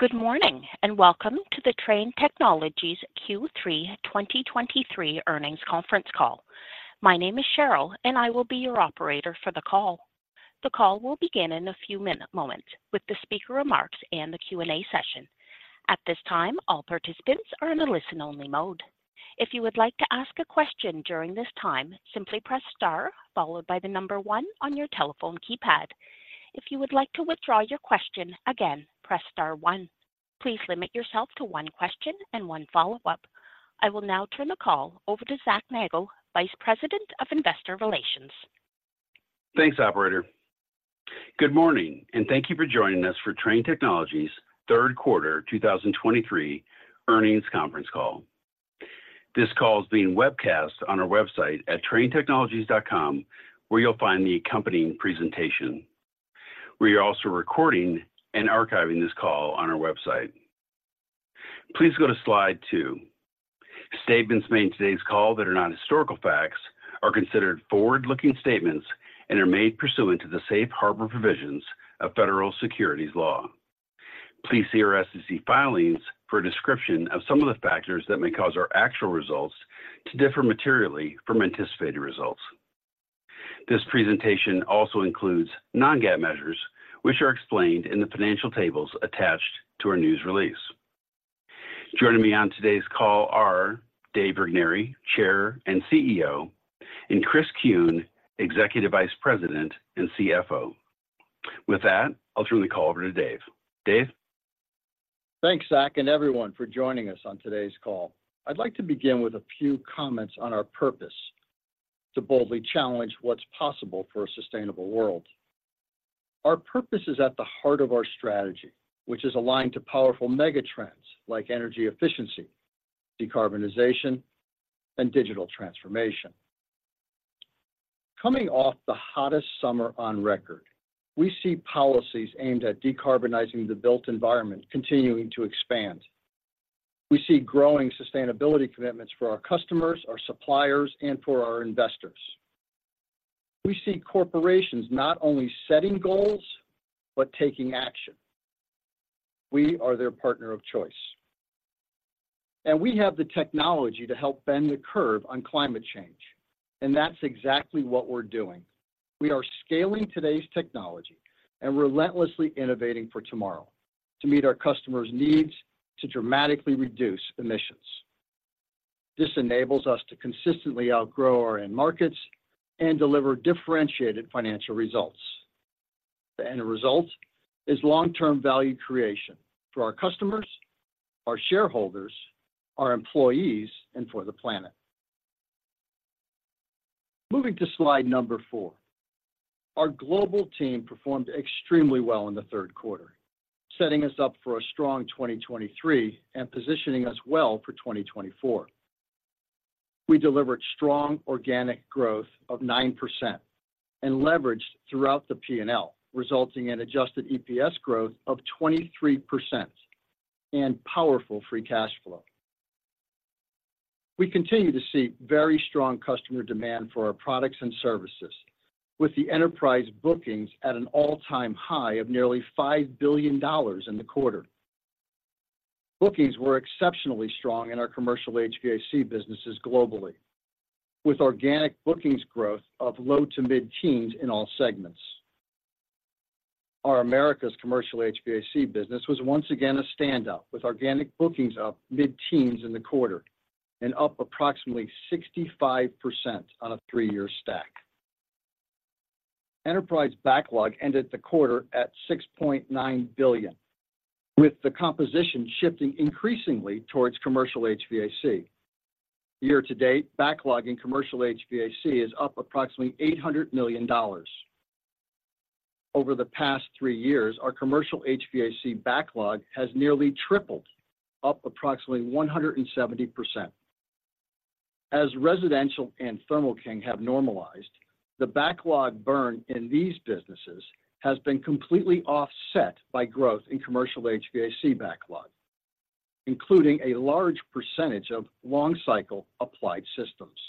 Good morning, and welcome to the Trane Technologies Q3 2023 earnings conference call. My name is Cheryl, and I will be your operator for the call. The call will begin in a few moments with the speaker remarks and the Q&A session. At this time, all participants are in a listen-only mode. If you would like to ask a question during this time, simply press star followed by the number 1 on your telephone keypad. If you would like to withdraw your question, again, press star 1. Please limit yourself to one question and one follow-up. I will now turn the call over to Zac Nagle, Vice President of Investor Relations. Thanks, operator. Good morning, and thank you for joining us for Trane Technologies' third quarter 2023 earnings conference call. This call is being webcast on our website at tranetechnologies.com, where you'll find the accompanying presentation. We are also recording and archiving this call on our website. Please go to slide 2. Statements made in today's call that are not historical facts are considered forward-looking statements and are made pursuant to the safe harbor provisions of federal securities law. Please see our SEC filings for a description of some of the factors that may cause our actual results to differ materially from anticipated results. This presentation also includes non-GAAP measures, which are explained in the financial tables attached to our news release. Joining me on today's call are Dave Regnery, Chair and CEO, and Chris Kuehn, Executive Vice President and CFO. With that, I'll turn the call over to Dave. Dave? Thanks, Zac, and everyone, for joining us on today's call. I'd like to begin with a few comments on our purpose: to boldly challenge what's possible for a sustainable world. Our purpose is at the heart of our strategy, which is aligned to powerful megatrends like energy efficiency, decarbonization, and digital transformation. Coming off the hottest summer on record, we see policies aimed at decarbonizing the built environment continuing to expand. We see growing sustainability commitments for our customers, our suppliers, and for our investors. We see corporations not only setting goals but taking action. We are their partner of choice, and we have the technology to help bend the curve on climate change, and that's exactly what we're doing. We are scaling today's technology and relentlessly innovating for tomorrow to meet our customers' needs to dramatically reduce emissions. This enables us to consistently outgrow our end markets and deliver differentiated financial results. The end result is long-term value creation for our customers, our shareholders, our employees, and for the planet. Moving to slide number 4. Our global team performed extremely well in the third quarter, setting us up for a strong 2023 and positioning us well for 2024. We delivered strong organic growth of 9% and leveraged throughout the P&L, resulting in adjusted EPS growth of 23% and powerful free cash flow. We continue to see very strong customer demand for our products and services, with the enterprise bookings at an all-time high of nearly $5 billion in the quarter. Bookings were exceptionally strong in our commercial HVAC businesses globally, with organic bookings growth of low- to mid-teens in all segments. Our Americas commercial HVAC business was once again a standout, with organic bookings up mid-teens in the quarter and up approximately 65% on a three-year stack. Enterprise backlog ended the quarter at $6.9 billion, with the composition shifting increasingly towards commercial HVAC. Year to date, backlog in commercial HVAC is up approximately $800 million. Over the past three years, our commercial HVAC backlog has nearly tripled, up approximately 170%. As residential and Thermo King have normalized, the backlog burn in these businesses has been completely offset by growth in commercial HVAC backlog, including a large percentage of long-cycle Applied Systems.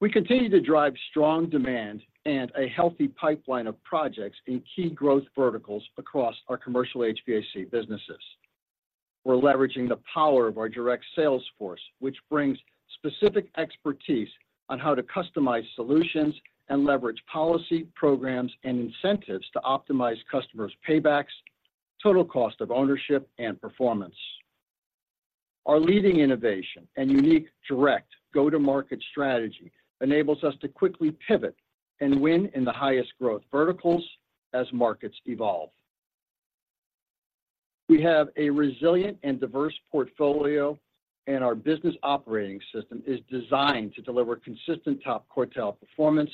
We continue to drive strong demand and a healthy pipeline of projects in key growth verticals across our commercial HVAC businesses. We're leveraging the power of our direct sales force, which brings specific expertise on how to customize solutions and leverage policy, programs, and incentives to optimize customers' paybacks, total cost of ownership, and performance. Our leading innovation and unique, direct go-to-market strategy enables us to quickly pivot and win in the highest growth verticals as markets evolve. We have a resilient and diverse portfolio, and our business operating system is designed to deliver consistent top-quartile performance.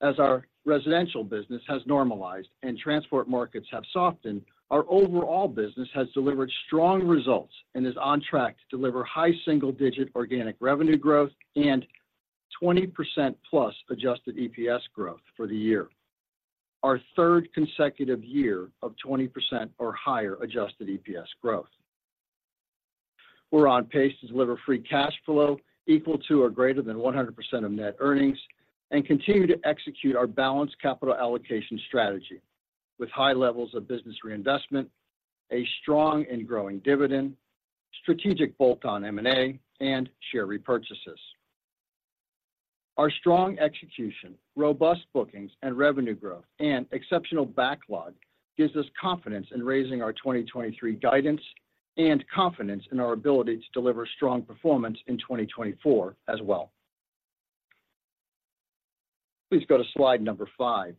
As our residential business has normalized and transport markets have softened, our overall business has delivered strong results and is on track to deliver high single-digit organic revenue growth and 20%+ adjusted EPS growth for the year, our third consecutive year of 20% or higher adjusted EPS growth.... We're on pace to deliver free cash flow equal to or greater than 100% of net earnings, and continue to execute our balanced capital allocation strategy with high levels of business reinvestment, a strong and growing dividend, strategic bolt-on M&A, and share repurchases. Our strong execution, robust bookings and revenue growth, and exceptional backlog gives us confidence in raising our 2023 guidance and confidence in our ability to deliver strong performance in 2024 as well. Please go to slide number 5.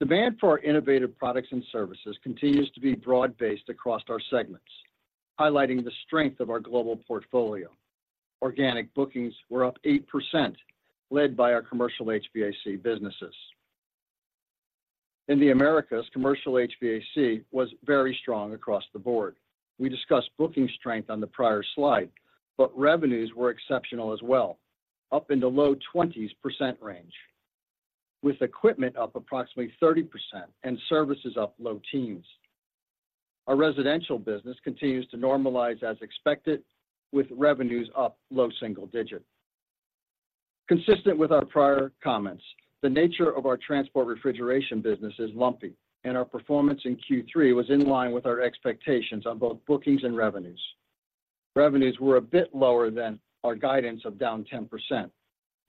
Demand for our innovative products and services continues to be broad-based across our segments, highlighting the strength of our global portfolio. Organic bookings were up 8%, led by our commercial HVAC businesses. In the Americas, commercial HVAC was very strong across the board. We discussed booking strength on the prior slide, but revenues were exceptional as well, up in the low 20s% range, with equipment up approximately 30% and services up low teens%. Our residential business continues to normalize as expected, with revenues up low single-digit%. Consistent with our prior comments, the nature of our transport refrigeration business is lumpy, and our performance in Q3 was in line with our expectations on both bookings and revenues. Revenues were a bit lower than our guidance of down 10%,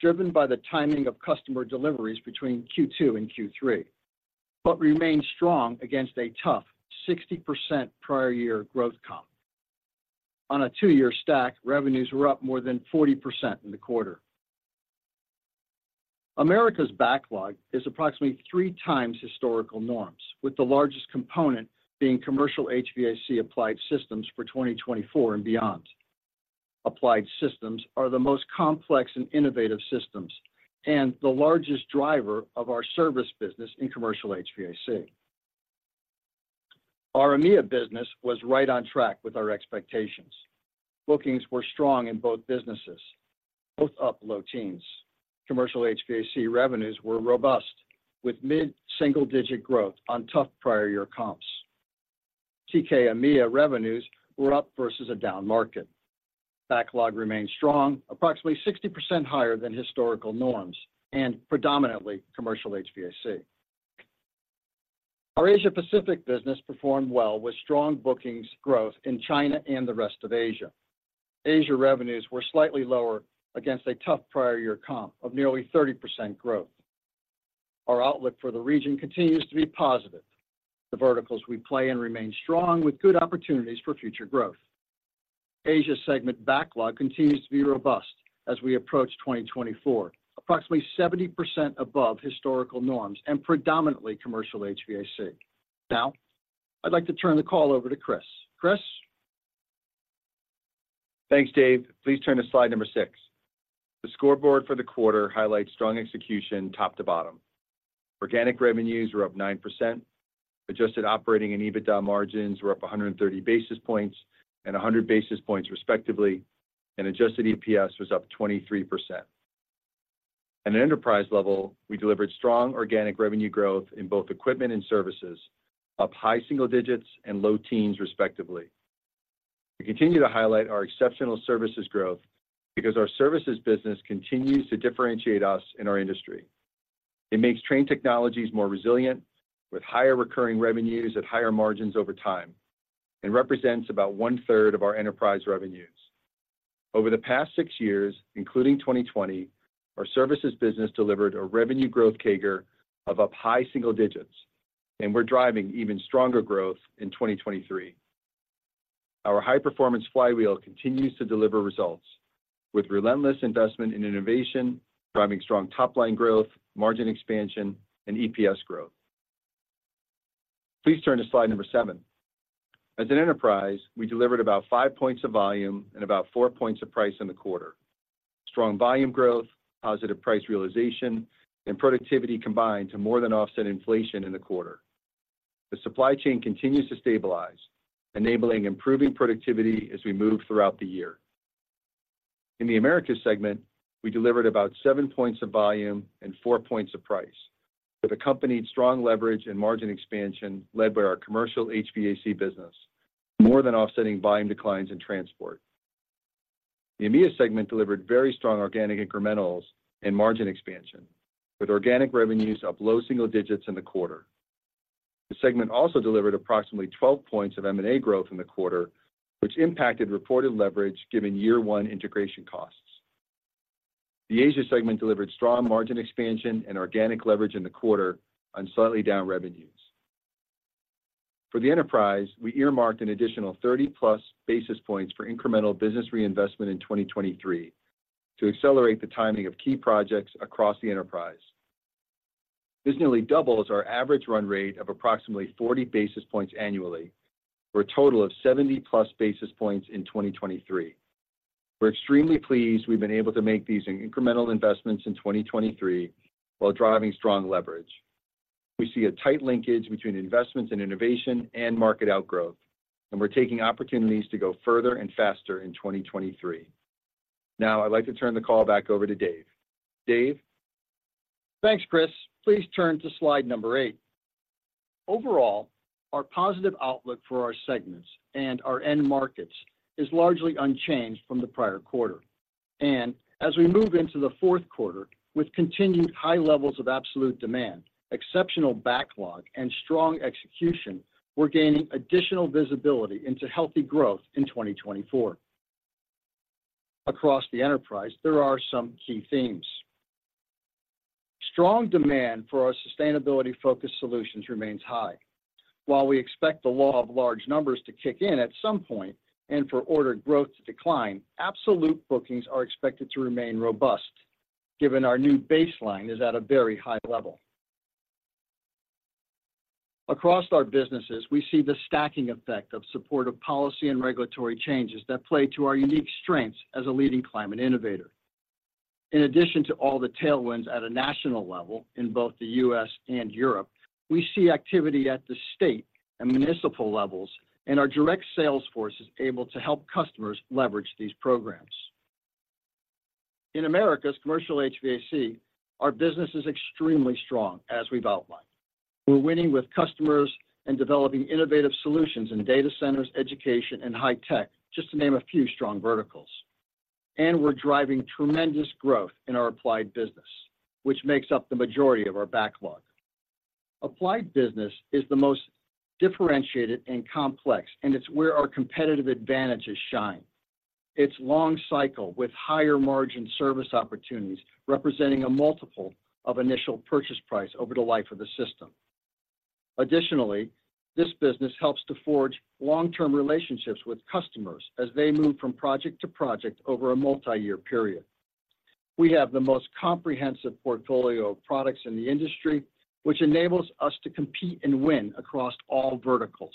driven by the timing of customer deliveries between Q2 and Q3, but remained strong against a tough 60% prior year growth comp. On a two-year stack, revenues were up more than 40% in the quarter. Americas backlog is approximately 3 times historical norms, with the largest component being commercial HVAC applied systems for 2024 and beyond. Applied Systems are the most complex and innovative systems, and the largest driver of our service business in commercial HVAC. Our EMEA business was right on track with our expectations. Bookings were strong in both businesses, both up low teens. Commercial HVAC revenues were robust, with mid-single-digit growth on tough prior year comps. TK EMEA revenues were up versus a down market. Backlog remained strong, approximately 60% higher than historical norms and predominantly commercial HVAC. Our Asia Pacific business performed well, with strong bookings growth in China and the rest of Asia. Asia revenues were slightly lower against a tough prior year comp of nearly 30% growth. Our outlook for the region continues to be positive. The verticals we play in remain strong, with good opportunities for future growth. Asia segment backlog continues to be robust as we approach 2024, approximately 70% above historical norms and predominantly commercial HVAC. Now, I'd like to turn the call over to Chris. Chris? Thanks, Dave. Please turn to slide number 6. The scoreboard for the quarter highlights strong execution, top to bottom. Organic revenues were up 9%, adjusted operating and EBITDA margins were up 130 basis points and 100 basis points, respectively, and adjusted EPS was up 23%. At an enterprise level, we delivered strong organic revenue growth in both equipment and services, up high single digits and low teens, respectively. We continue to highlight our exceptional services growth because our services business continues to differentiate us in our industry. It makes Trane Technologies more resilient, with higher recurring revenues at higher margins over time, and represents about one-third of our enterprise revenues. Over the past 6 years, including 2020, our services business delivered a revenue growth CAGR of up high single digits, and we're driving even stronger growth in 2023. Our high-performance flywheel continues to deliver results, with relentless investment in innovation, driving strong top-line growth, margin expansion, and EPS growth. Please turn to slide number 7. As an enterprise, we delivered about 5 points of volume and about 4 points of price in the quarter. Strong volume growth, positive price realization, and productivity combined to more than offset inflation in the quarter. The supply chain continues to stabilize, enabling improving productivity as we move throughout the year. In the Americas segment, we delivered about 7 points of volume and 4 points of price, with accompanied strong leverage and margin expansion led by our commercial HVAC business, more than offsetting volume declines in transport. The EMEA segment delivered very strong organic incrementals and margin expansion, with organic revenues up low single digits in the quarter. The segment also delivered approximately 12 points of M&A growth in the quarter, which impacted reported leverage given year one integration costs. The Asia segment delivered strong margin expansion and organic leverage in the quarter on slightly down revenues. For the enterprise, we earmarked an additional 30+ basis points for incremental business reinvestment in 2023 to accelerate the timing of key projects across the enterprise. This nearly doubles our average run rate of approximately 40 basis points annually, for a total of 70+ basis points in 2023. We're extremely pleased we've been able to make these incremental investments in 2023 while driving strong leverage. We see a tight linkage between investments in innovation and market outgrowth, and we're taking opportunities to go further and faster in 2023. Now, I'd like to turn the call back over to Dave. Dave?... Thanks, Chris. Please turn to slide number 8. Overall, our positive outlook for our segments and our end markets is largely unchanged from the prior quarter. As we move into the fourth quarter with continued high levels of absolute demand, exceptional backlog, and strong execution, we're gaining additional visibility into healthy growth in 2024. Across the enterprise, there are some key themes. Strong demand for our sustainability-focused solutions remains high. While we expect the law of large numbers to kick in at some point and for order growth to decline, absolute bookings are expected to remain robust, given our new baseline is at a very high level. Across our businesses, we see the stacking effect of supportive policy and regulatory changes that play to our unique strengths as a leading climate innovator. In addition to all the tailwinds at a national level in both the U.S. and Europe, we see activity at the state and municipal levels, and our direct sales force is able to help customers leverage these programs. In Americas Commercial HVAC, our business is extremely strong, as we've outlined. We're winning with customers and developing innovative solutions in data centers, education, and high-tech, just to name a few strong verticals. We're driving tremendous growth in our Applied business, which makes up the majority of our backlog. Applied business is the most differentiated and complex, and it's where our competitive advantages shine. It's long-cycle with higher-margin service opportunities, representing a multiple of initial purchase price over the life of the system. Additionally, this business helps to forge long-term relationships with customers as they move from project to project over a multi-year period. We have the most comprehensive portfolio of products in the industry, which enables us to compete and win across all verticals,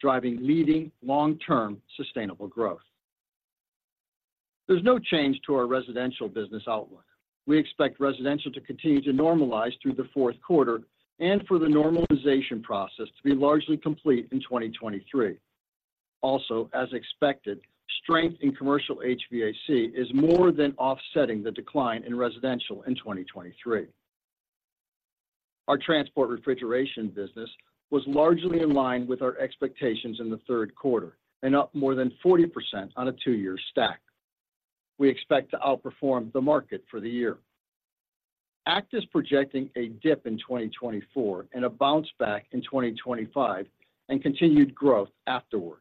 driving leading, long-term, sustainable growth. There's no change to our residential business outlook. We expect residential to continue to normalize through the fourth quarter and for the normalization process to be largely complete in 2023. Also, as expected, strength in commercial HVAC is more than offsetting the decline in residential in 2023. Our transport refrigeration business was largely in line with our expectations in the third quarter and up more than 40% on a two-year stack. We expect to outperform the market for the year. ACT is projecting a dip in 2024 and a bounce back in 2025 and continued growth afterwards.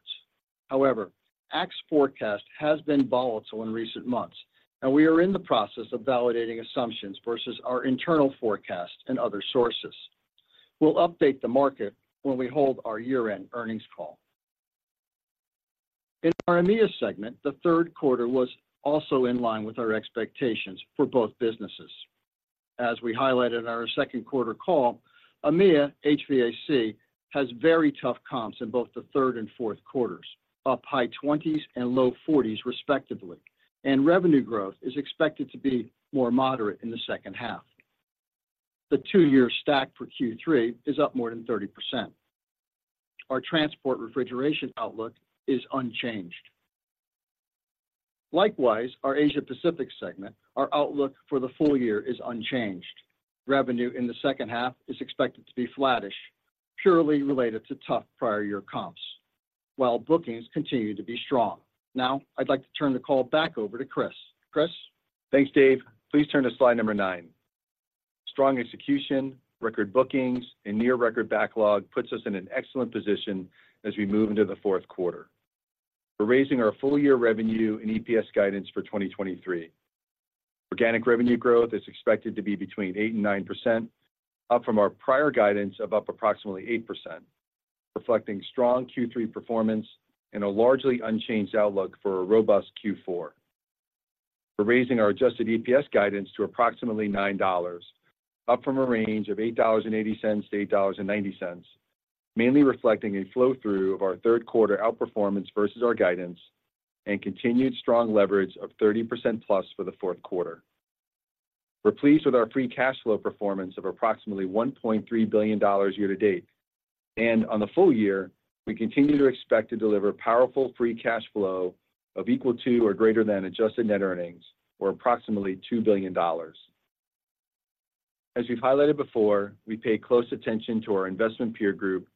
However, ACT's forecast has been volatile in recent months, and we are in the process of validating assumptions versus our internal forecast and other sources. We'll update the market when we hold our year-end earnings call. In our EMEA segment, the third quarter was also in line with our expectations for both businesses. As we highlighted in our second quarter call, EMEA HVAC has very tough comps in both the third and fourth quarters, up high 20s and low 40s, respectively, and revenue growth is expected to be more moderate in the second half. The two-year stack for Q3 is up more than 30%. Our transport refrigeration outlook is unchanged. Likewise, our Asia Pacific segment, our outlook for the full year is unchanged. Revenue in the second half is expected to be flattish, purely related to tough prior year comps, while bookings continue to be strong. Now, I'd like to turn the call back over to Chris. Chris? Thanks, Dave. Please turn to slide number 9. Strong execution, record bookings, and near record backlog puts us in an excellent position as we move into the fourth quarter. We're raising our full-year revenue and EPS guidance for 2023. Organic revenue growth is expected to be between 8% and 9%, up from our prior guidance of up approximately 8%, reflecting strong Q3 performance and a largely unchanged outlook for a robust Q4. We're raising our adjusted EPS guidance to approximately $9, up from a range of $8.80-$8.90, mainly reflecting a flow-through of our third quarter outperformance versus our guidance and continued strong leverage of 30%+ for the fourth quarter. We're pleased with our free cash flow performance of approximately $1.3 billion year to date. On the full year, we continue to expect to deliver powerful free cash flow of equal to or greater than adjusted net earnings, or approximately $2 billion. As we've highlighted before, we pay close attention to our investment peer group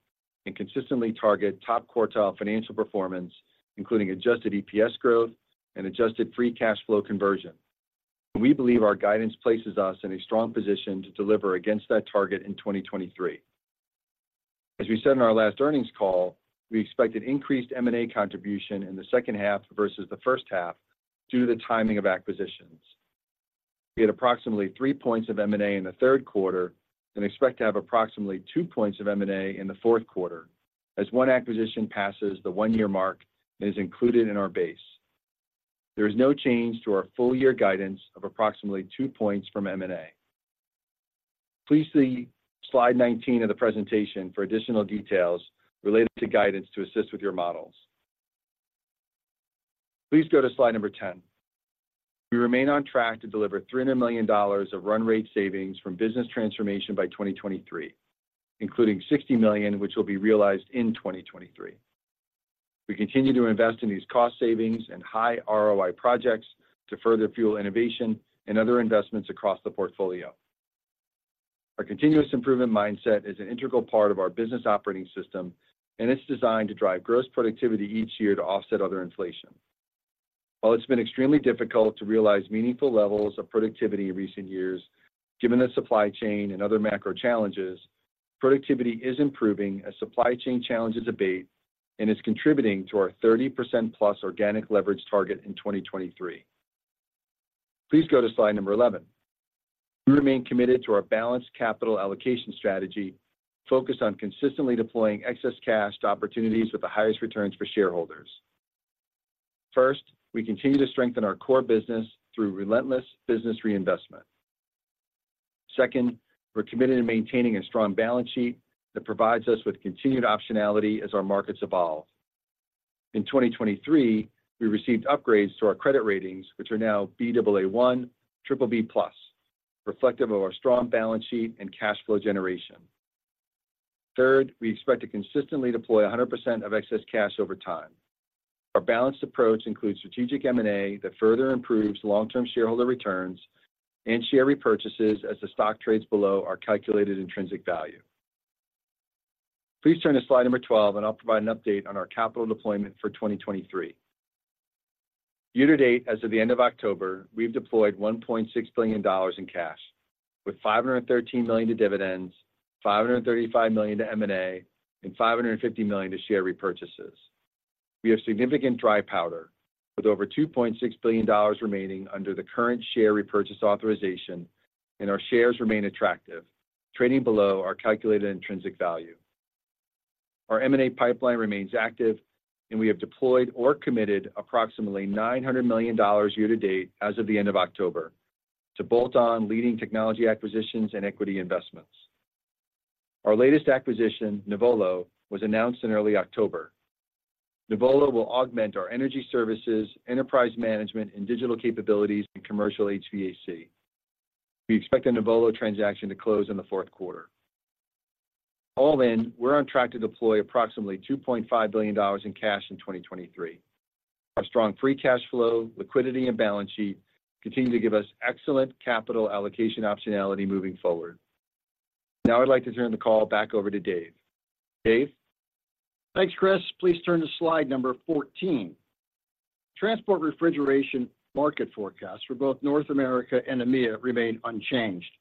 and consistently target top quartile financial performance, including adjusted EPS growth and adjusted free cash flow conversion. We believe our guidance places us in a strong position to deliver against that target in 2023. As we said in our last earnings call, we expected increased M&A contribution in the second half versus the first half due to the timing of acquisitions. We had approximately 3 points of M&A in the third quarter and expect to have approximately 2 points of M&A in the fourth quarter, as one acquisition passes the one-year mark and is included in our base. There is no change to our full year guidance of approximately 2 points from M&A. Please see slide 19 of the presentation for additional details related to guidance to assist with your models. Please go to slide number 10. We remain on track to deliver $300 million of run rate savings from business transformation by 2023, including $60 million, which will be realized in 2023. We continue to invest in these cost savings and high ROI projects to further fuel innovation and other investments across the portfolio. Our continuous improvement mindset is an integral part of our business operating system, and it's designed to drive gross productivity each year to offset other inflation. While it's been extremely difficult to realize meaningful levels of productivity in recent years, given the supply chain and other macro challenges, productivity is improving as supply chain challenges abate and is contributing to our 30%+ organic leverage target in 2023. Please go to slide number 11. We remain committed to our balanced capital allocation strategy, focused on consistently deploying excess cash to opportunities with the highest returns for shareholders. First, we continue to strengthen our core business through relentless business reinvestment. Second, we're committed to maintaining a strong balance sheet that provides us with continued optionality as our markets evolve. In 2023, we received upgrades to our credit ratings, which are now Baa1 BBB+, reflective of our strong balance sheet and cash flow generation. Third, we expect to consistently deploy 100% of excess cash over time. Our balanced approach includes strategic M&A that further improves long-term shareholder returns and share repurchases as the stock trades below our calculated intrinsic value. Please turn to slide number 12, and I'll provide an update on our capital deployment for 2023. Year to date, as of the end of October, we've deployed $1.6 billion in cash, with $513 million to dividends, $535 million to M&A, and $550 million to share repurchases. We have significant dry powder, with over $2.6 billion remaining under the current share repurchase authorization, and our shares remain attractive, trading below our calculated intrinsic value. Our M&A pipeline remains active, and we have deployed or committed approximately $900 million year to date as of the end of October to bolt on leading technology acquisitions and equity investments. Our latest acquisition, Nuvolo, was announced in early October. Nuvolo will augment our energy services, enterprise management, and digital capabilities in commercial HVAC. We expect the Nuvolo transaction to close in the fourth quarter. All in, we're on track to deploy approximately $2.5 billion in cash in 2023. Our strong free cash flow, liquidity, and balance sheet continue to give us excellent capital allocation optionality moving forward. Now I'd like to turn the call back over to Dave. Dave? Thanks, Chris. Please turn to slide number 14. Transport refrigeration market forecasts for both North America and EMEA remain unchanged,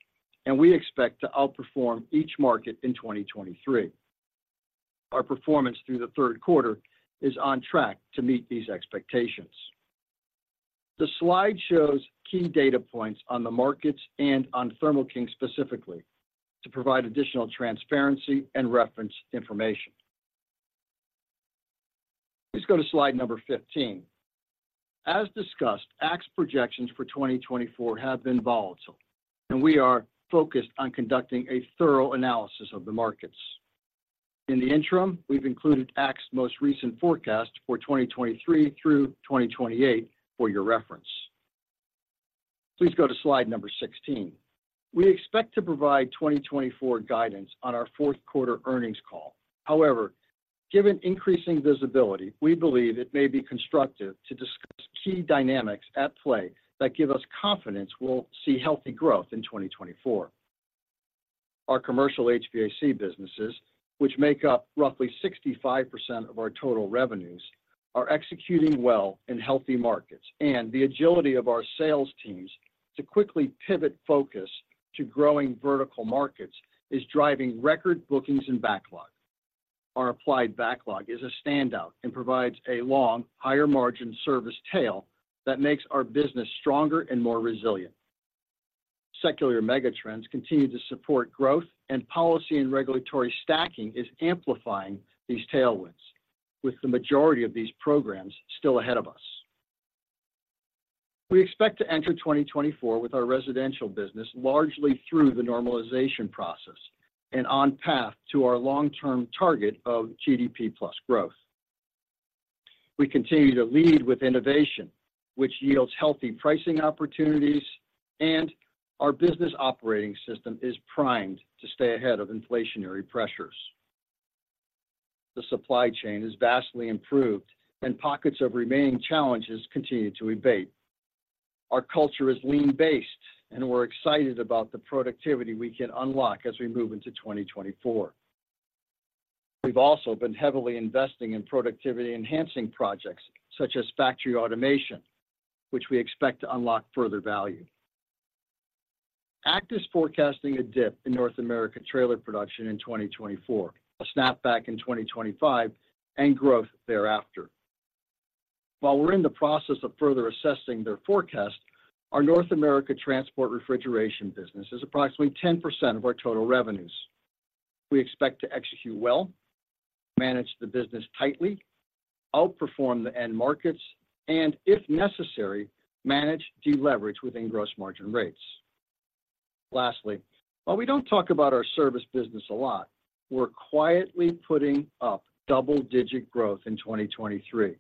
and we expect to outperform each market in 2023. Our performance through the third quarter is on track to meet these expectations. The slide shows key data points on the markets and on Thermo King specifically to provide additional transparency and reference information. Please go to slide number 15. As discussed, ACT's projections for 2024 have been volatile, and we are focused on conducting a thorough analysis of the markets. In the interim, we've included ACT's most recent forecast for 2023 through 2028 for your reference. Please go to slide number 16. We expect to provide 2024 guidance on our fourth quarter earnings call. However, given increasing visibility, we believe it may be constructive to discuss key dynamics at play that give us confidence we'll see healthy growth in 2024. Our commercial HVAC businesses, which make up roughly 65% of our total revenues, are executing well in healthy markets, and the agility of our sales teams to quickly pivot focus to growing vertical markets is driving record bookings and backlog. Our applied backlog is a standout and provides a long, higher margin service tail that makes our business stronger and more resilient. Secular megatrends continue to support growth, and policy and regulatory stacking is amplifying these tailwinds, with the majority of these programs still ahead of us. We expect to enter 2024 with our residential business largely through the normalization process and on path to our long-term target of GDP plus growth. We continue to lead with innovation, which yields healthy pricing opportunities, and our business operating system is primed to stay ahead of inflationary pressures. The supply chain is vastly improved, and pockets of remaining challenges continue to abate. Our culture is lean-based, and we're excited about the productivity we can unlock as we move into 2024. We've also been heavily investing in productivity-enhancing projects such as factory automation, which we expect to unlock further value. ACT is forecasting a dip in North American trailer production in 2024, a snapback in 2025, and growth thereafter. While we're in the process of further assessing their forecast, our North America transport refrigeration business is approximately 10% of our total revenues. We expect to execute well, manage the business tightly, outperform the end markets, and, if necessary, manage deleverage within gross margin rates. Lastly, while we don't talk about our service business a lot, we're quietly putting up double-digit growth in 2023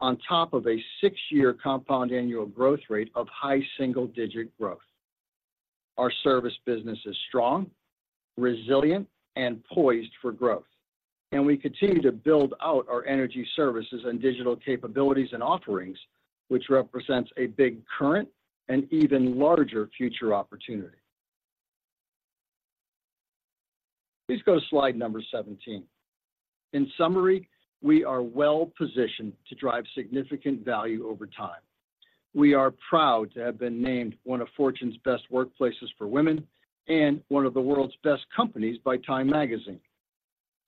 on top of a 6-year compound annual growth rate of high single-digit growth. Our service business is strong, resilient, and poised for growth, and we continue to build out our energy services and digital capabilities and offerings, which represents a big current and even larger future opportunity. Please go to slide number 17. In summary, we are well-positioned to drive significant value over time. We are proud to have been named one of Fortune's Best Workplaces for Women and one of the World's Best Companies by Time Magazine.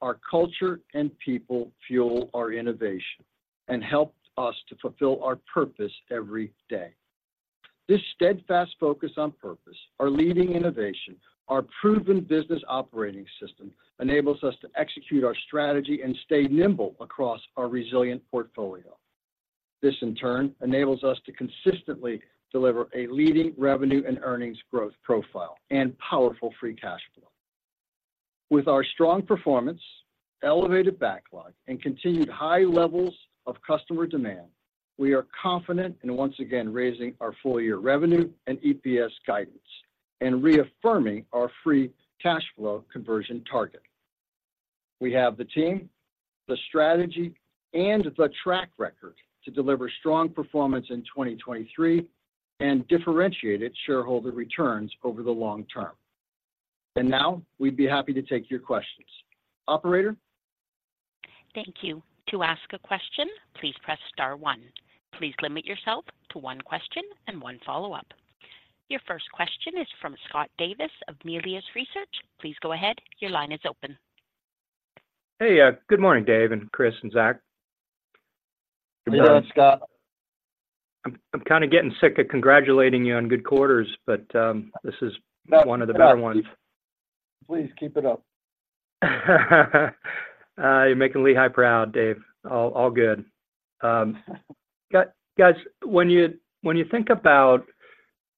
Our culture and people fuel our innovation and help us to fulfill our purpose every day. This steadfast focus on purpose, our leading innovation, our proven business operating system enables us to execute our strategy and stay nimble across our resilient portfolio. This, in turn, enables us to consistently deliver a leading revenue and earnings growth profile and powerful free cash flow. With our strong performance, elevated backlog, and continued high levels of customer demand, we are confident in once again raising our full-year revenue and EPS guidance and reaffirming our free cash flow conversion target. We have the team, the strategy, and the track record to deliver strong performance in 2023 and differentiated shareholder returns over the long term. And now we'd be happy to take your questions. Operator? Thank you. To ask a question, please press star one. Please limit yourself to one question and one follow-up. Your first question is from Scott Davis of Melius Research. Please go ahead. Your line is open. Hey, good morning, Dave, Chris, and Zac. Good morning, Scott. I'm kind of getting sick of congratulating you on good quarters, but this is one of the better ones. Please keep it up. You're making Lehigh proud, Dave. All good. Guys, when you think about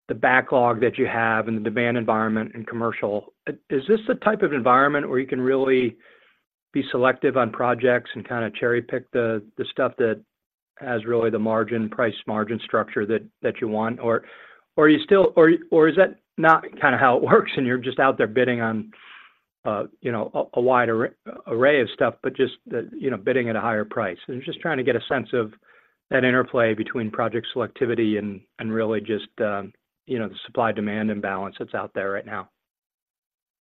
the backlog that you have and the demand environment in commercial, is this the type of environment where you can really be selective on projects and kind of cherry-pick the stuff that has really the margin, price margin structure that you want? Or are you still or is that not kind of how it works, and you're just out there bidding on, you know, a wide array of stuff, but just that, you know, bidding at a higher price? I'm just trying to get a sense of that interplay between project selectivity and really just, you know, the supply-demand imbalance that's out there right now.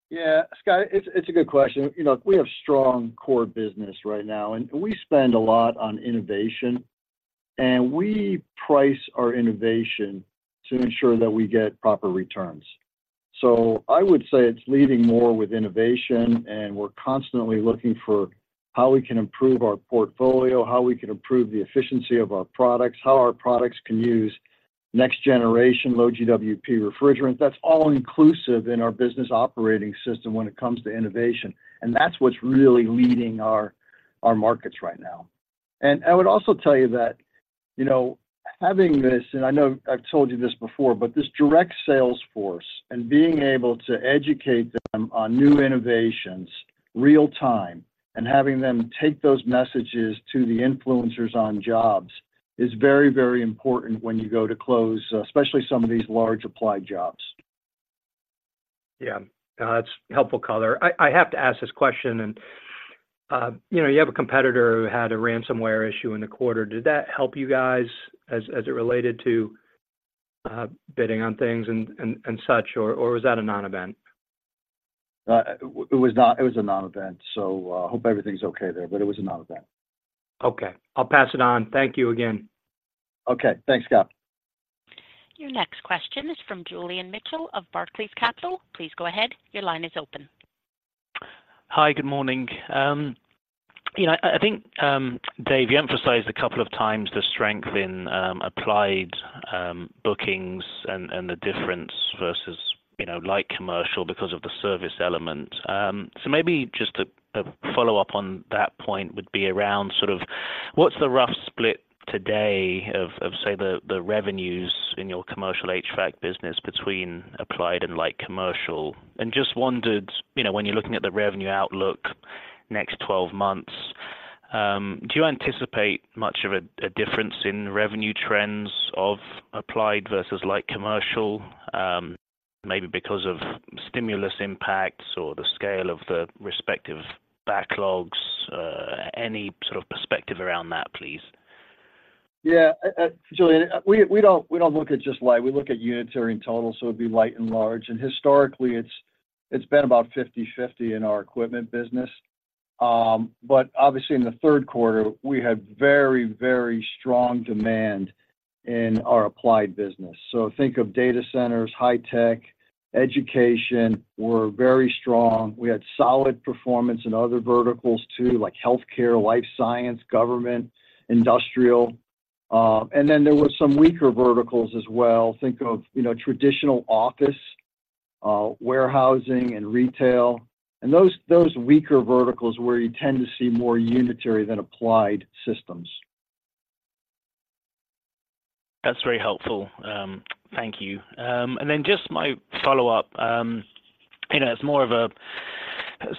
Yeah, Scott, it's a good question. You know, we have strong core business right now, and we spend a lot on innovation, and we price our innovation to ensure that we get proper returns. So I would say it's leading more with innovation, and we're constantly looking for how we can improve our portfolio, how we can improve the efficiency of our products, how our products can use next-generation low-GWP refrigerant. That's all inclusive in our business operating system when it comes to innovation, and that's what's really leading our markets right now. I would also tell you that, you know, having this, and I know I've told you this before, but this direct sales force and being able to educate them on new innovations real time and having them take those messages to the influencers on jobs is very, very important when you go to close, especially some of these large applied jobs. Yeah. That's helpful color. I have to ask this question, and you know, you have a competitor who had a ransomware issue in the quarter. Did that help you guys as it related to bidding on things and such, or was that a non-event? It was not. It was a non-event, so, hope everything's okay there, but it was a non-event. Okay. I'll pass it on. Thank you again. Okay. Thanks, Scott. Your next question is from Julian Mitchell of Barclays Capital. Please go ahead. Your line is open. Hi. Good morning. You know, I think, Dave, you emphasized a couple of times the strength in applied bookings and the difference versus you know light commercial because of the service element. So maybe just a follow-up on that point would be around sort of what's the rough split today of say the revenues in your commercial HVAC business between applied and light commercial? Just wondered, you know, when you're looking at the revenue outlook next 12 months, do you anticipate much of a difference in revenue trends of applied versus light commercial, maybe because of stimulus impacts or the scale of the respective backlogs? Any sort of perspective around that, please? Yeah. Julian, we don't look at just light. We look at Unitary in total, so it'd be light and large. And historically, it's been about 50/50 in our equipment business. But obviously, in the third quarter, we had very, very strong demand in our applied business. So think of data centers, high tech, education were very strong. We had solid performance in other verticals too, like healthcare, life science, government, industrial. And then there were some weaker verticals as well. Think of, you know, traditional office, warehousing and retail, and those weaker verticals where you tend to see more unitary than applied systems. That's very helpful. Thank you. And then just my follow-up, you know, it's more of a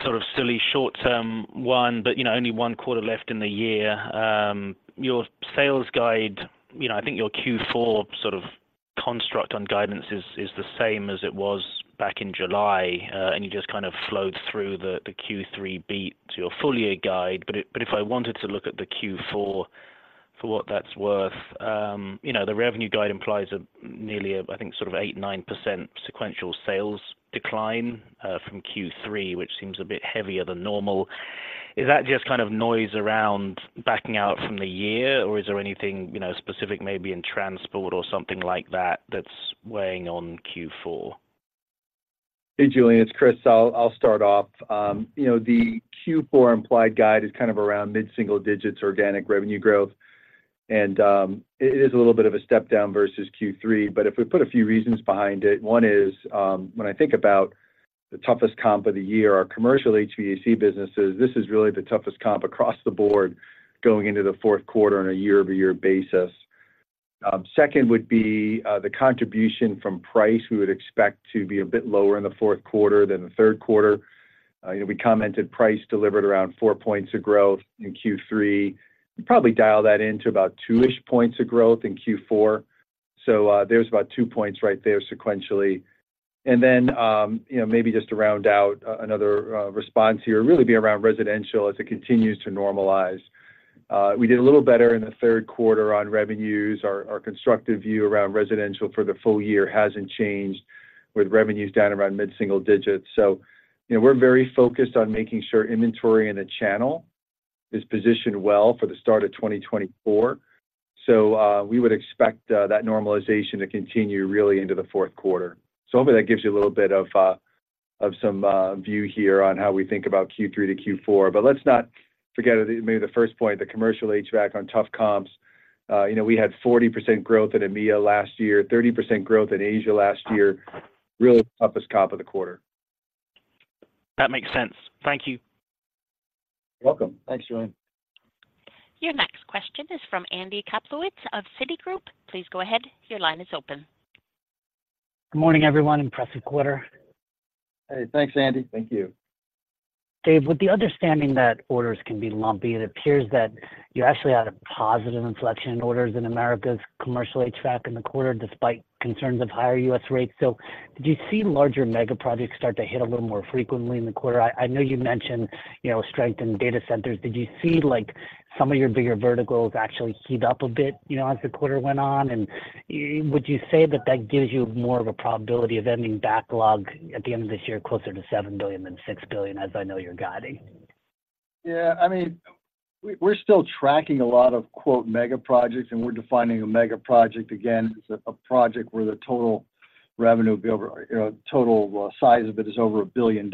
sort of silly short-term one, but, you know, only one quarter left in the year. Your sales guide, you know, I think your Q4 sort of construct on guidance is the same as it was back in July, and you just kind of flowed through the Q3 beat to your full year guide. But if I wanted to look at the Q4 for what that's worth, you know, the revenue guide implies a nearly, I think, sort of 8%-9% sequential sales decline from Q3, which seems a bit heavier than normal. Is that just kind of noise around backing out from the year, or is there anything, you know, specific maybe in transport or something like that, that's weighing on Q4? Hey, Julian, it's Chris. I'll start off. You know, the Q4 implied guide is kind of around mid-single digits, organic revenue growth. It is a little bit of a step down versus Q3, but if we put a few reasons behind it, one is, when I think about the toughest comp of the year, our commercial HVAC businesses, this is really the toughest comp across the board going into the fourth quarter on a year-over-year basis. Second would be, the contribution from price we would expect to be a bit lower in the fourth quarter than the third quarter. We commented price delivered around four points of growth in Q3. We probably dial that in to about two-ish points of growth in Q4. So, there's about two points right there sequentially. And then, you know, maybe just to round out another response here, really be around residential as it continues to normalize. We did a little better in the third quarter on revenues. Our constructive view around residential for the full year hasn't changed, with revenues down around mid-single digits. So, you know, we're very focused on making sure inventory in the channel is positioned well for the start of 2024. So we would expect that normalization to continue really into the fourth quarter. So hopefully that gives you a little bit of some view here on how we think about Q3 to Q4. But let's not forget, maybe the first point, the commercial HVAC on tough comps. You know, we had 40% growth in EMEA last year, 30% growth in Asia last year. Really toughest comp of the quarter. That makes sense. Thank you. You're welcome. Thanks, Julian. Your next question is from Andy Kaplowitz of Citigroup. Please go ahead. Your line is open. Good morning, everyone. Impressive quarter. Hey, thanks, Andy. Thank you. Dave, with the understanding that orders can be lumpy, it appears that you actually had a positive inflection in orders in Americas commercial HVAC in the quarter, despite concerns of higher U.S. rates. So did you see larger mega projects start to hit a little more frequently in the quarter? I know you mentioned, you know, strength in data centers. Did you see, like, some of your bigger verticals actually heat up a bit, you know, as the quarter went on? And would you say that that gives you more of a probability of ending backlog at the end of this year, closer to $7 billion than $6 billion, as I know you're guiding? Yeah, I mean, we, we're still tracking a lot of "mega projects," and we're defining a mega project again, as a project where the total size of it is over $1 billion.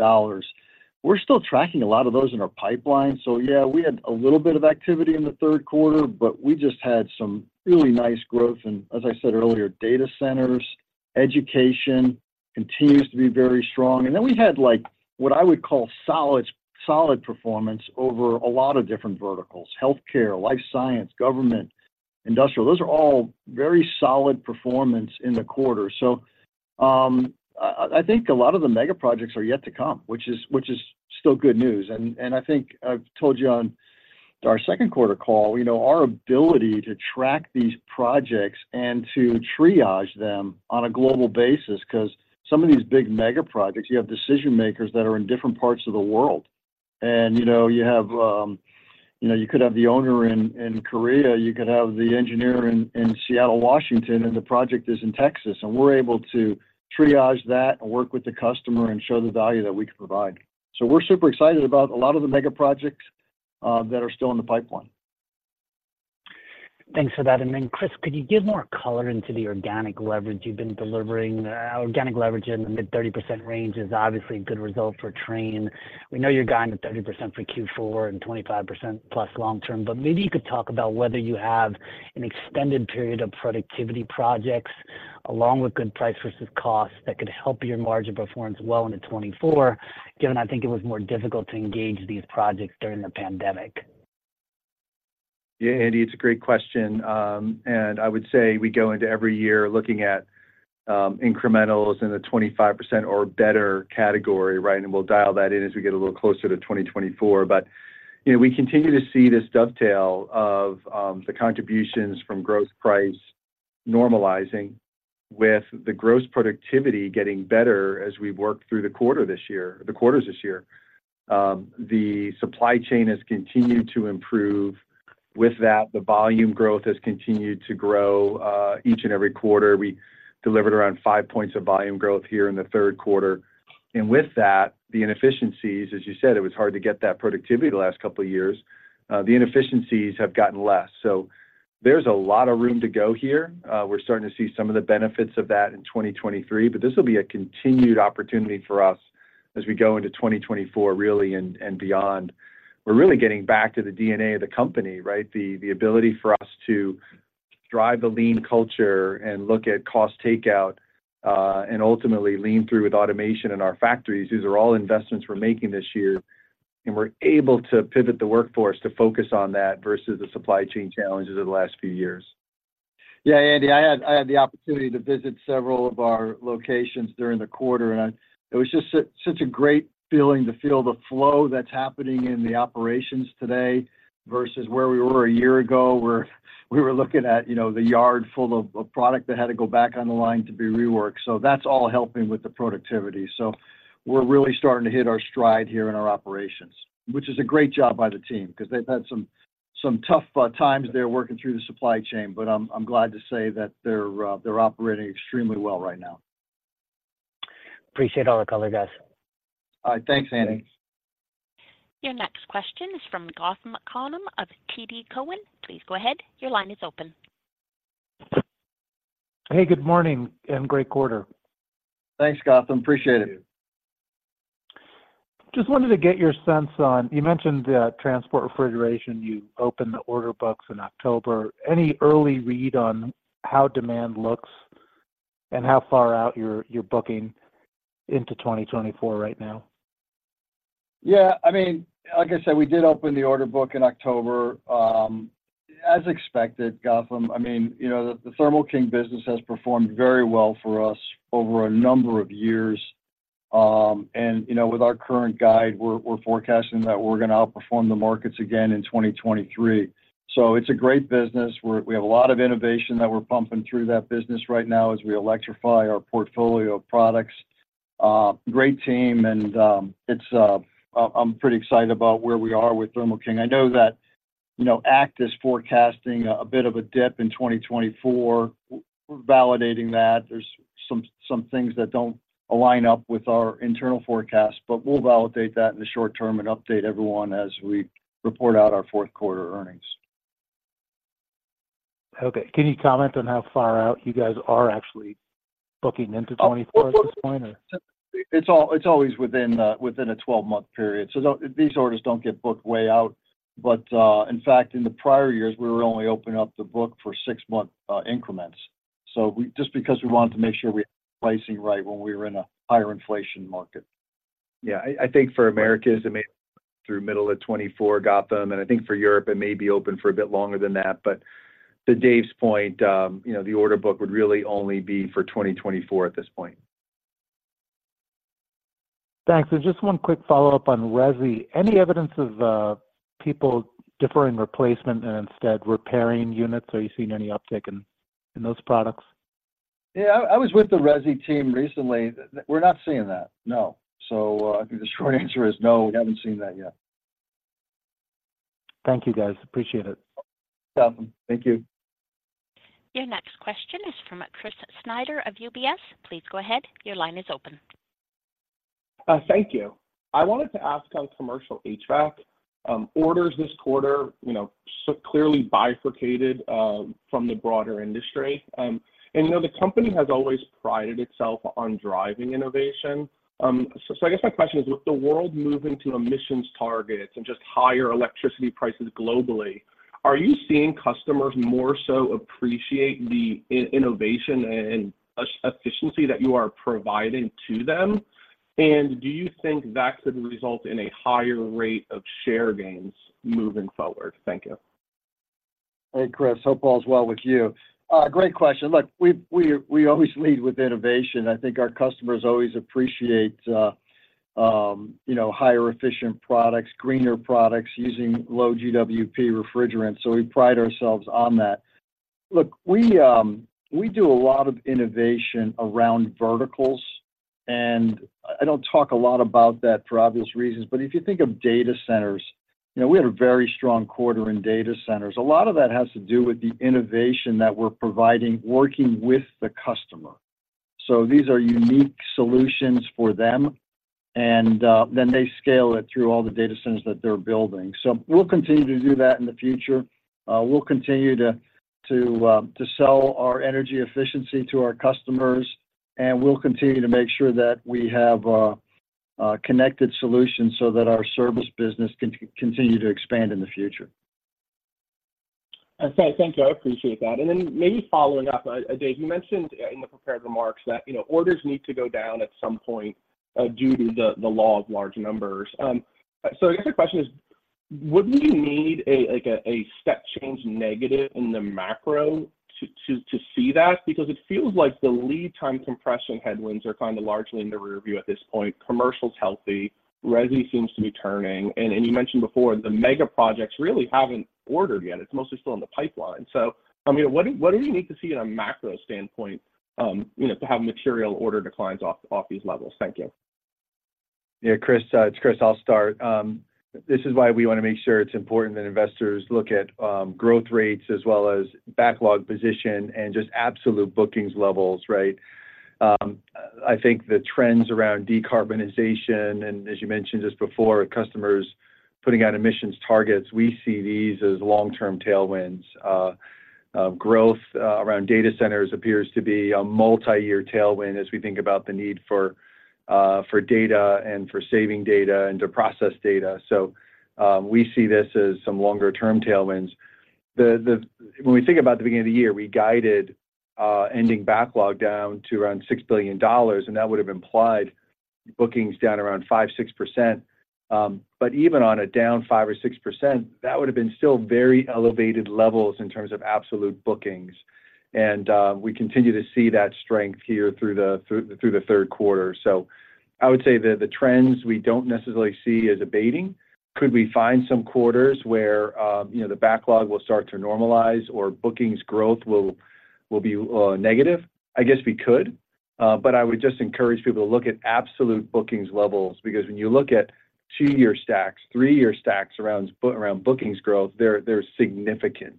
We're still tracking a lot of those in our pipeline. So yeah, we had a little bit of activity in the third quarter, but we just had some really nice growth. And as I said earlier, data centers, education continues to be very strong. And then we had like, what I would call solid, solid performance over a lot of different verticals: healthcare, life science, government, industrial. Those are all very solid performance in the quarter. So, I, I think a lot of the mega projects are yet to come, which is, which is still good news. I think I've told you on our second quarter call, you know, our ability to track these projects and to triage them on a global basis, because some of these big mega projects, you have decision-makers that are in different parts of the world. You know, you could have the owner in Korea, you could have the engineer in Seattle, Washington, and the project is in Texas. And we're able to triage that and work with the customer and show the value that we can provide. So we're super excited about a lot of the mega projects that are still in the pipeline. Thanks for that. And then, Chris, could you give more color into the organic leverage you've been delivering? Organic leverage in the mid-30% range is obviously a good result for Trane. We know you're guiding at 30% for Q4 and 25%+ long term, but maybe you could talk about whether you have an extended period of productivity projects along with good price versus costs that could help your margin performance well into 2024. Given, I think it was more difficult to engage these projects during the pandemic. Yeah, Andy, it's a great question. And I would say we go into every year looking at incrementals in the 25% or better category, right? And we'll dial that in as we get a little closer to 2024. But, you know, we continue to see this dovetail of the contributions from growth price normalizing, with the gross productivity getting better as we've worked through the quarter this year, the quarters this year. The supply chain has continued to improve. With that, the volume growth has continued to grow each and every quarter. We delivered around 5 points of volume growth here in the third quarter. And with that, the inefficiencies, as you said, it was hard to get that productivity the last couple of years. The inefficiencies have gotten less, so there's a lot of room to go here. We're starting to see some of the benefits of that in 2023, but this will be a continued opportunity for us as we go into 2024, really, and, and beyond. We're really getting back to the DNA of the company, right? The ability for us to drive the lean culture and look at cost takeout, and ultimately lean through with automation in our factories. These are all investments we're making this year, and we're able to pivot the workforce to focus on that versus the supply chain challenges of the last few years.... Yeah, Andy, I had the opportunity to visit several of our locations during the quarter, and it was just such a great feeling to feel the flow that's happening in the operations today versus where we were a year ago, where we were looking at, you know, the yard full of product that had to go back on the line to be reworked. So that's all helping with the productivity. So we're really starting to hit our stride here in our operations, which is a great job by the team because they've had some tough times there working through the supply chain. But I'm glad to say that they're operating extremely well right now. Appreciate all the color, guys. All right. Thanks, Andy. Your next question is from Gautam Khanna of TD Cowen. Please go ahead. Your line is open. Hey, good morning, and great quarter. Thanks, Gautam. Appreciate it. Just wanted to get your sense on, you mentioned the transport refrigeration, you opened the order books in October. Any early read on how demand looks and how far out you're booking into 2024 right now? Yeah, I mean, like I said, we did open the order book in October. As expected, Gautam, I mean, you know, the Thermo King business has performed very well for us over a number of years. And, you know, with our current guide, we're forecasting that we're going to outperform the markets again in 2023. So it's a great business. We have a lot of innovation that we're pumping through that business right now as we electrify our portfolio of products. Great team, and, it's, I'm pretty excited about where we are with Thermo King. I know that, you know, ACT is forecasting a bit of a dip in 2024. We're validating that. There's some things that don't align up with our internal forecast, but we'll validate that in the short term and update everyone as we report out our fourth quarter earnings. Okay. Can you comment on how far out you guys are actually booking into 2024 at this point, or? It's always within a 12-month period, so no, these orders don't get booked way out. But, in fact, in the prior years, we were only opening up the book for 6-month increments. So, just because we wanted to make sure we pricing right when we were in a higher inflation market. Yeah, I think for Americas, it may through middle of 2024, Gautam, and I think for Europe, it may be open for a bit longer than that. But to Dave's point, you know, the order book would really only be for 2024 at this point. Thanks. So just one quick follow-up on Resi. Any evidence of people deferring replacement and instead repairing units? Are you seeing any uptick in those products? Yeah, I was with the Resi team recently. We're not seeing that, no. So, I think the short answer is no, we haven't seen that yet. Thank you, guys. Appreciate it. Yeah, thank you. Your next question is from Chris Snyder of UBS. Please go ahead. Your line is open. Thank you. I wanted to ask on commercial HVAC orders this quarter, you know, so clearly bifurcated from the broader industry. And, you know, the company has always prided itself on driving innovation. So, I guess my question is, with the world moving to emissions targets and just higher electricity prices globally, are you seeing customers more so appreciate the innovation and efficiency that you are providing to them? And do you think that could result in a higher rate of share gains moving forward? Thank you. Hey, Chris, hope all is well with you. Great question. Look, we always lead with innovation. I think our customers always appreciate you know, higher efficient products, greener products using low GWP refrigerants, so we pride ourselves on that. Look, we do a lot of innovation around verticals, and I don't talk a lot about that for obvious reasons. But if you think of data centers, you know, we had a very strong quarter in data centers. A lot of that has to do with the innovation that we're providing, working with the customer. So these are unique solutions for them, and then they scale it through all the data centers that they're building. So we'll continue to do that in the future. We'll continue to sell our energy efficiency to our customers, and we'll continue to make sure that we have a connected solution so that our service business can continue to expand in the future. Thank you. I appreciate that. And then maybe following up, Dave, you mentioned in the prepared remarks that, you know, orders need to go down at some point, due to the law of large numbers. So I guess my question is: would we need a, like, a step change negative in the macro to see that? Because it feels like the lead time compression headwinds are kind of largely in the rearview at this point. Commercial's healthy, Resi seems to be turning, and you mentioned before, the mega projects really haven't ordered yet. It's mostly still in the pipeline. So, I mean, what do you need to see in a macro standpoint, you know, to have material order declines off these levels? Thank you. Yeah, Chris, it's Chris. I'll start. This is why we want to make sure it's important that investors look at, growth rates as well as backlog position and just absolute bookings levels, right? I think the trends around decarbonization, and as you mentioned this before, customers putting out emissions targets, we see these as long-term tailwinds. Growth around data centers appears to be a multiyear tailwind as we think about the need for, for data and for saving data and to process data. So, we see this as some longer-term tailwinds. When we think about the beginning of the year, we guided, ending backlog down to around $6 billion, and that would have implied bookings down around 5%-6%. But even on a down 5% or 6%, that would have been still very elevated levels in terms of absolute bookings. And we continue to see that strength here through the third quarter. So I would say the trends we don't necessarily see as abating. Could we find some quarters where, you know, the backlog will start to normalize or bookings growth will be negative? I guess we could, but I would just encourage people to look at absolute bookings levels, because when you look at two-year stacks, three-year stacks around bookings growth, they're significant.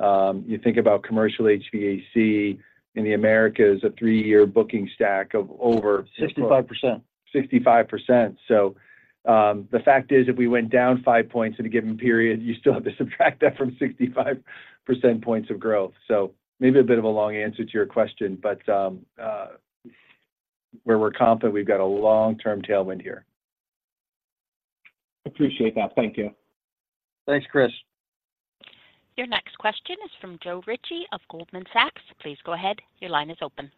You think about commercial HVAC in the Americas, a three-year booking stack of over- Sixty-five percent. 65%. So, the fact is, if we went down 5 points in a given period, you still have to subtract that from 65 percentage points of growth. So maybe a bit of a long answer to your question, but, we're confident we've got a long-term tailwind here. Appreciate that. Thank you. Thanks, Chris. Your next question is from Joe Ritchie of Goldman Sachs. Please go ahead. Your line is open.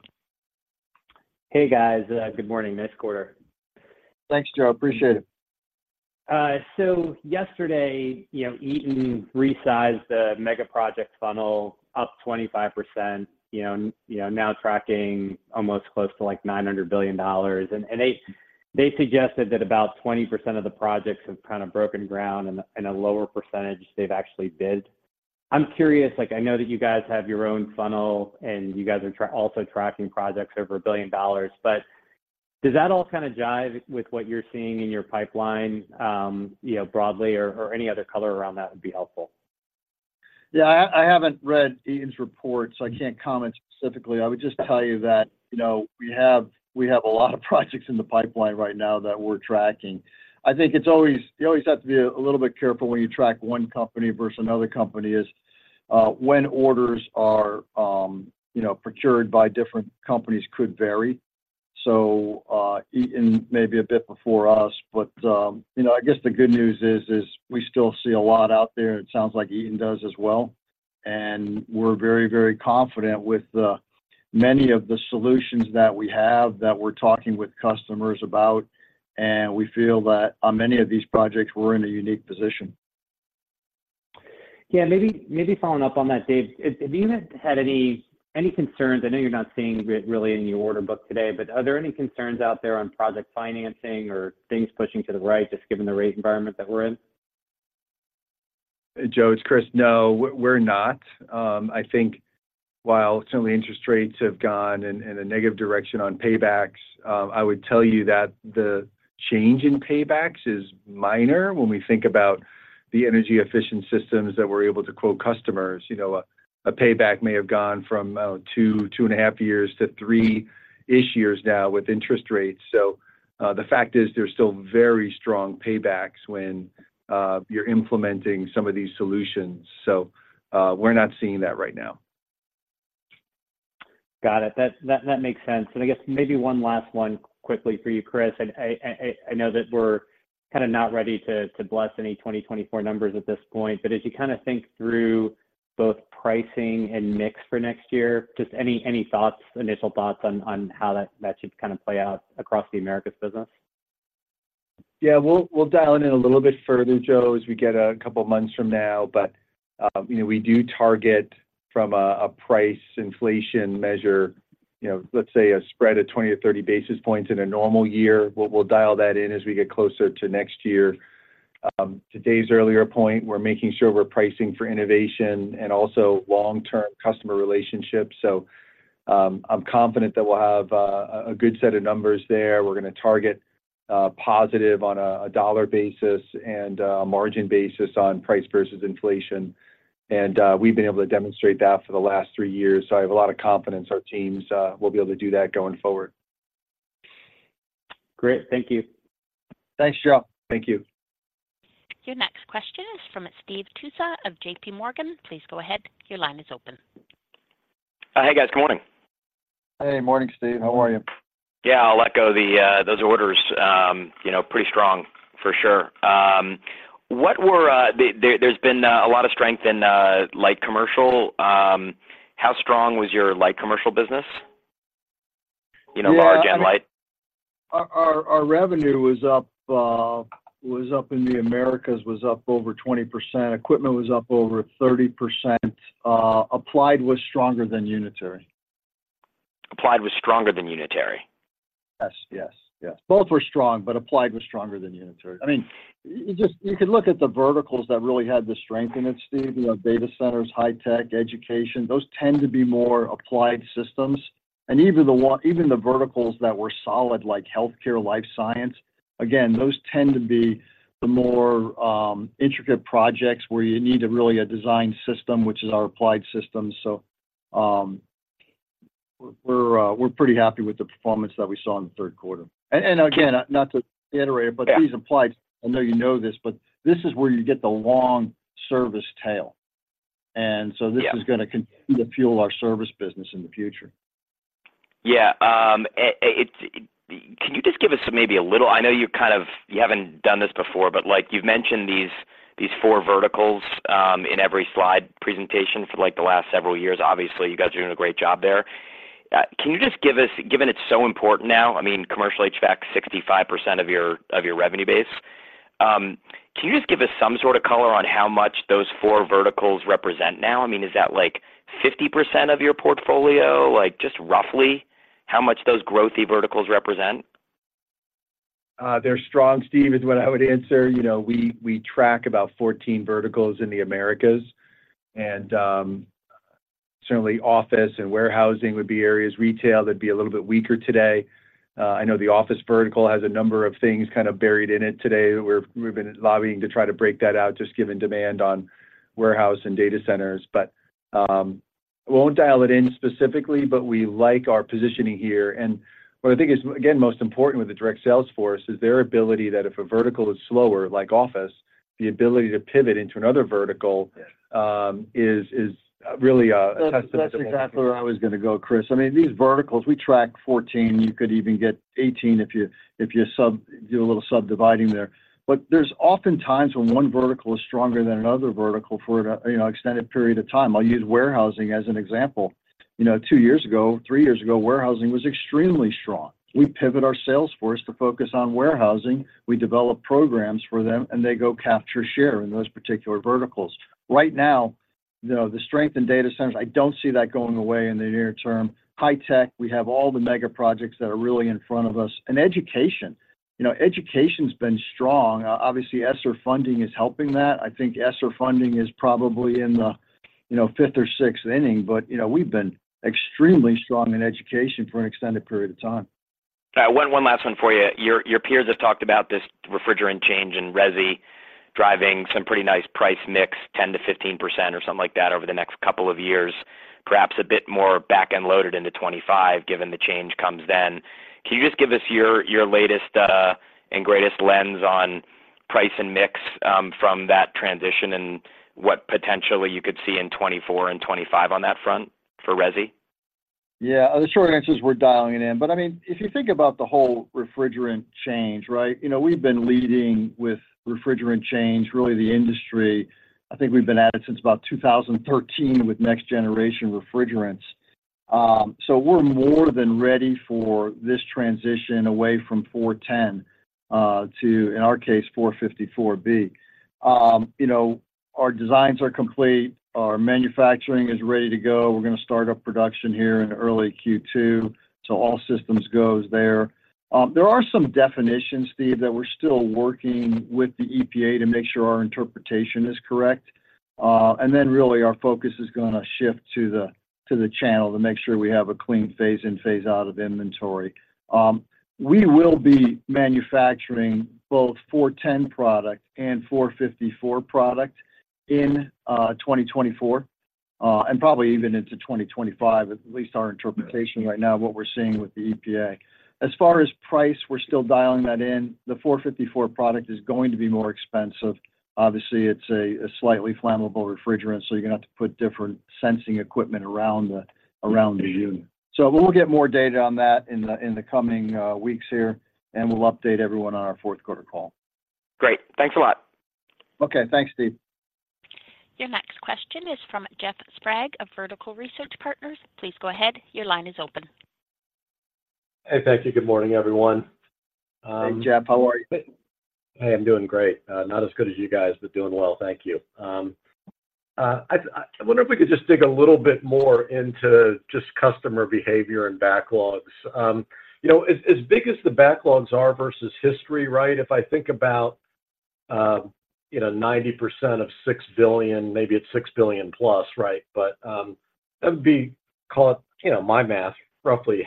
Hey, guys. Good morning. Nice quarter. Thanks, Joe. Appreciate it. So yesterday, you know, Eaton resized the mega project funnel up 25%, you know, you know, now tracking almost close to, like, $900 billion. And they suggested that about 20% of the projects have kind of broken ground, and a lower percentage they've actually bid. I'm curious, like, I know that you guys have your own funnel, and you guys are also tracking projects over $1 billion, but does that all kind of jive with what you're seeing in your pipeline, you know, broadly, or any other color around that would be helpful? Yeah, I haven't read Eaton's report, so I can't comment specifically. I would just tell you that, you know, we have a lot of projects in the pipeline right now that we're tracking. I think it's always, you always have to be a little bit careful when you track one company versus another company is when orders are, you know, procured by different companies could vary. So, Eaton may be a bit before us, but, you know, I guess the good news is we still see a lot out there, and it sounds like Eaton does as well. And we're very, very confident with the many of the solutions that we have that we're talking with customers about, and we feel that on many of these projects, we're in a unique position. Yeah, maybe, maybe following up on that, Dave, have you had any concerns? I know you're not seeing really in your order book today, but are there any concerns out there on project financing or things pushing to the right, just given the rate environment that we're in? Joe, it's Chris. No, we're not. I think while certainly interest rates have gone in a negative direction on paybacks, I would tell you that the change in paybacks is minor when we think about the energy efficient systems that we're able to quote customers. You know, a payback may have gone from 2 to 2.5 years to 3-ish years now with interest rates. So, the fact is, there's still very strong paybacks when you're implementing some of these solutions. So, we're not seeing that right now. Got it. That makes sense. And I guess maybe one last one quickly for you, Chris. I know that we're kind of not ready to bless any 2024 numbers at this point, but as you kind of think through both pricing and mix for next year, just any thoughts, initial thoughts on how that should kind of play out across the Americas business? Yeah, we'll dial it in a little bit further, Joe, as we get a couple of months from now. But, you know, we do target from a price inflation measure, you know, let's say a spread of 20-30 basis points in a normal year. We'll dial that in as we get closer to next year. To Dave's earlier point, we're making sure we're pricing for innovation and also long-term customer relationships, so, I'm confident that we'll have a good set of numbers there. We're going to target positive on a dollar basis and a margin basis on price versus inflation. And, we've been able to demonstrate that for the last three years, so I have a lot of confidence our teams will be able to do that going forward. Great. Thank you. Thanks, Joe. Thank you. Your next question is from Steve Tusa of J.P. Morgan. Please go ahead. Your line is open. Hey, guys. Good morning. Hey, morning, Steve. How are you? Yeah, I'll let go the those orders, you know, pretty strong, for sure. What were there, there's been a lot of strength in light commercial. How strong was your light commercial business? You know- Yeah... large and light. Our revenue was up in the Americas, was up over 20%. Equipment was up over 30%. Applied was stronger than Unitary. Applied was stronger than Unitary? Yes, yes, yes. Both were strong, but applied was stronger than Unitary. I mean, you could look at the verticals that really had the strength in it, Steve. You know, data centers, high tech, education, those tend to be more applied systems. And even the verticals that were solid, like healthcare, life science, again, those tend to be the more intricate projects where you need to really a design system, which is our applied system. So, we're pretty happy with the performance that we saw in the third quarter. And again, not to reiterate- Yeah... but these applied. I know you know this, but this is where you get the long service tail. Yeah. This is going to continue to fuel our service business in the future. Yeah, can you just give us maybe a little... I know you kind of, you haven't done this before, but like you've mentioned these-... these four verticals in every slide presentation for like the last several years. Obviously, you guys are doing a great job there. Can you just give us, given it's so important now, I mean, commercial HVAC, 65% of your, of your revenue base. Can you just give us some sort of color on how much those four verticals represent now? I mean, is that like 50% of your portfolio? Like, just roughly how much those growthy verticals represent? They're strong, Steve, is what I would answer. You know, we track about 14 verticals in the Americas, and certainly, office and warehousing would be areas, retail, they'd be a little bit weaker today. I know the office vertical has a number of things kind of buried in it today. We've been lobbying to try to break that out, just given demand on warehouse and data centers. But I won't dial it in specifically, but we like our positioning here. And what I think is, again, most important with the direct sales force is their ability that if a vertical is slower, like office, the ability to pivot into another vertical is really a testament. That's, that's exactly where I was gonna go, Chris. I mean, these verticals, we track 14. You could even get 18 if you do a little subdividing there. But there's often times when one vertical is stronger than another vertical for, you know, extended period of time. I'll use warehousing as an example. You know, two years ago, three years ago, warehousing was extremely strong. We pivot our sales force to focus on warehousing, we develop programs for them, and they go capture share in those particular verticals. Right now, you know, the strength in data centers, I don't see that going away in the near term. High tech, we have all the mega projects that are really in front of us. And education, you know, education's been strong. Obviously, ESSER funding is helping that. I think ESSER funding is probably in the, you know, fifth or sixth inning, but, you know, we've been extremely strong in education for an extended period of time. One last one for you. Your peers have talked about this refrigerant change in resi, driving some pretty nice price mix, 10%-15% or something like that over the next couple of years, perhaps a bit more back-end loaded into 2025, given the change comes then. Can you just give us your latest and greatest lens on price and mix from that transition and what potentially you could see in 2024 and 2025 on that front for resi? Yeah. The short answer is we're dialing it in. But, I mean, if you think about the whole refrigerant change, right? You know, we've been leading with refrigerant change, really, the industry. I think we've been at it since about 2013 with next generation refrigerants. So we're more than ready for this transition away from 410A to, in our case, 454B. You know, our designs are complete, our manufacturing is ready to go. We're gonna start up production here in early Q2, so all systems goes there. There are some definitions, Steve, that we're still working with the EPA to make sure our interpretation is correct. And then really, our focus is gonna shift to the, to the channel to make sure we have a clean phase in, phase out of inventory. We will be manufacturing both 410A product and 454 product in 2024, and probably even into 2025, at least our interpretation right now, what we're seeing with the EPA. As far as price, we're still dialing that in. The 454 product is going to be more expensive. Obviously, it's a slightly flammable refrigerant, so you're gonna have to put different sensing equipment around the unit. So we'll get more data on that in the coming weeks here, and we'll update everyone on our fourth quarter call. Great. Thanks a lot. Okay. Thanks, Steve. Your next question is from Jeff Sprague of Vertical Research Partners. Please go ahead. Your line is open. Hey, thank you. Good morning, everyone. Hey, Jeff. How are you? I am doing great. Not as good as you guys, but doing well. Thank you. I wonder if we could just dig a little bit more into just customer behavior and backlogs. You know, as big as the backlogs are versus history, right? If I think about, you know, 90% of $6 billion, maybe it's $6 billion plus, right? But that would be, call it, you know, my math, roughly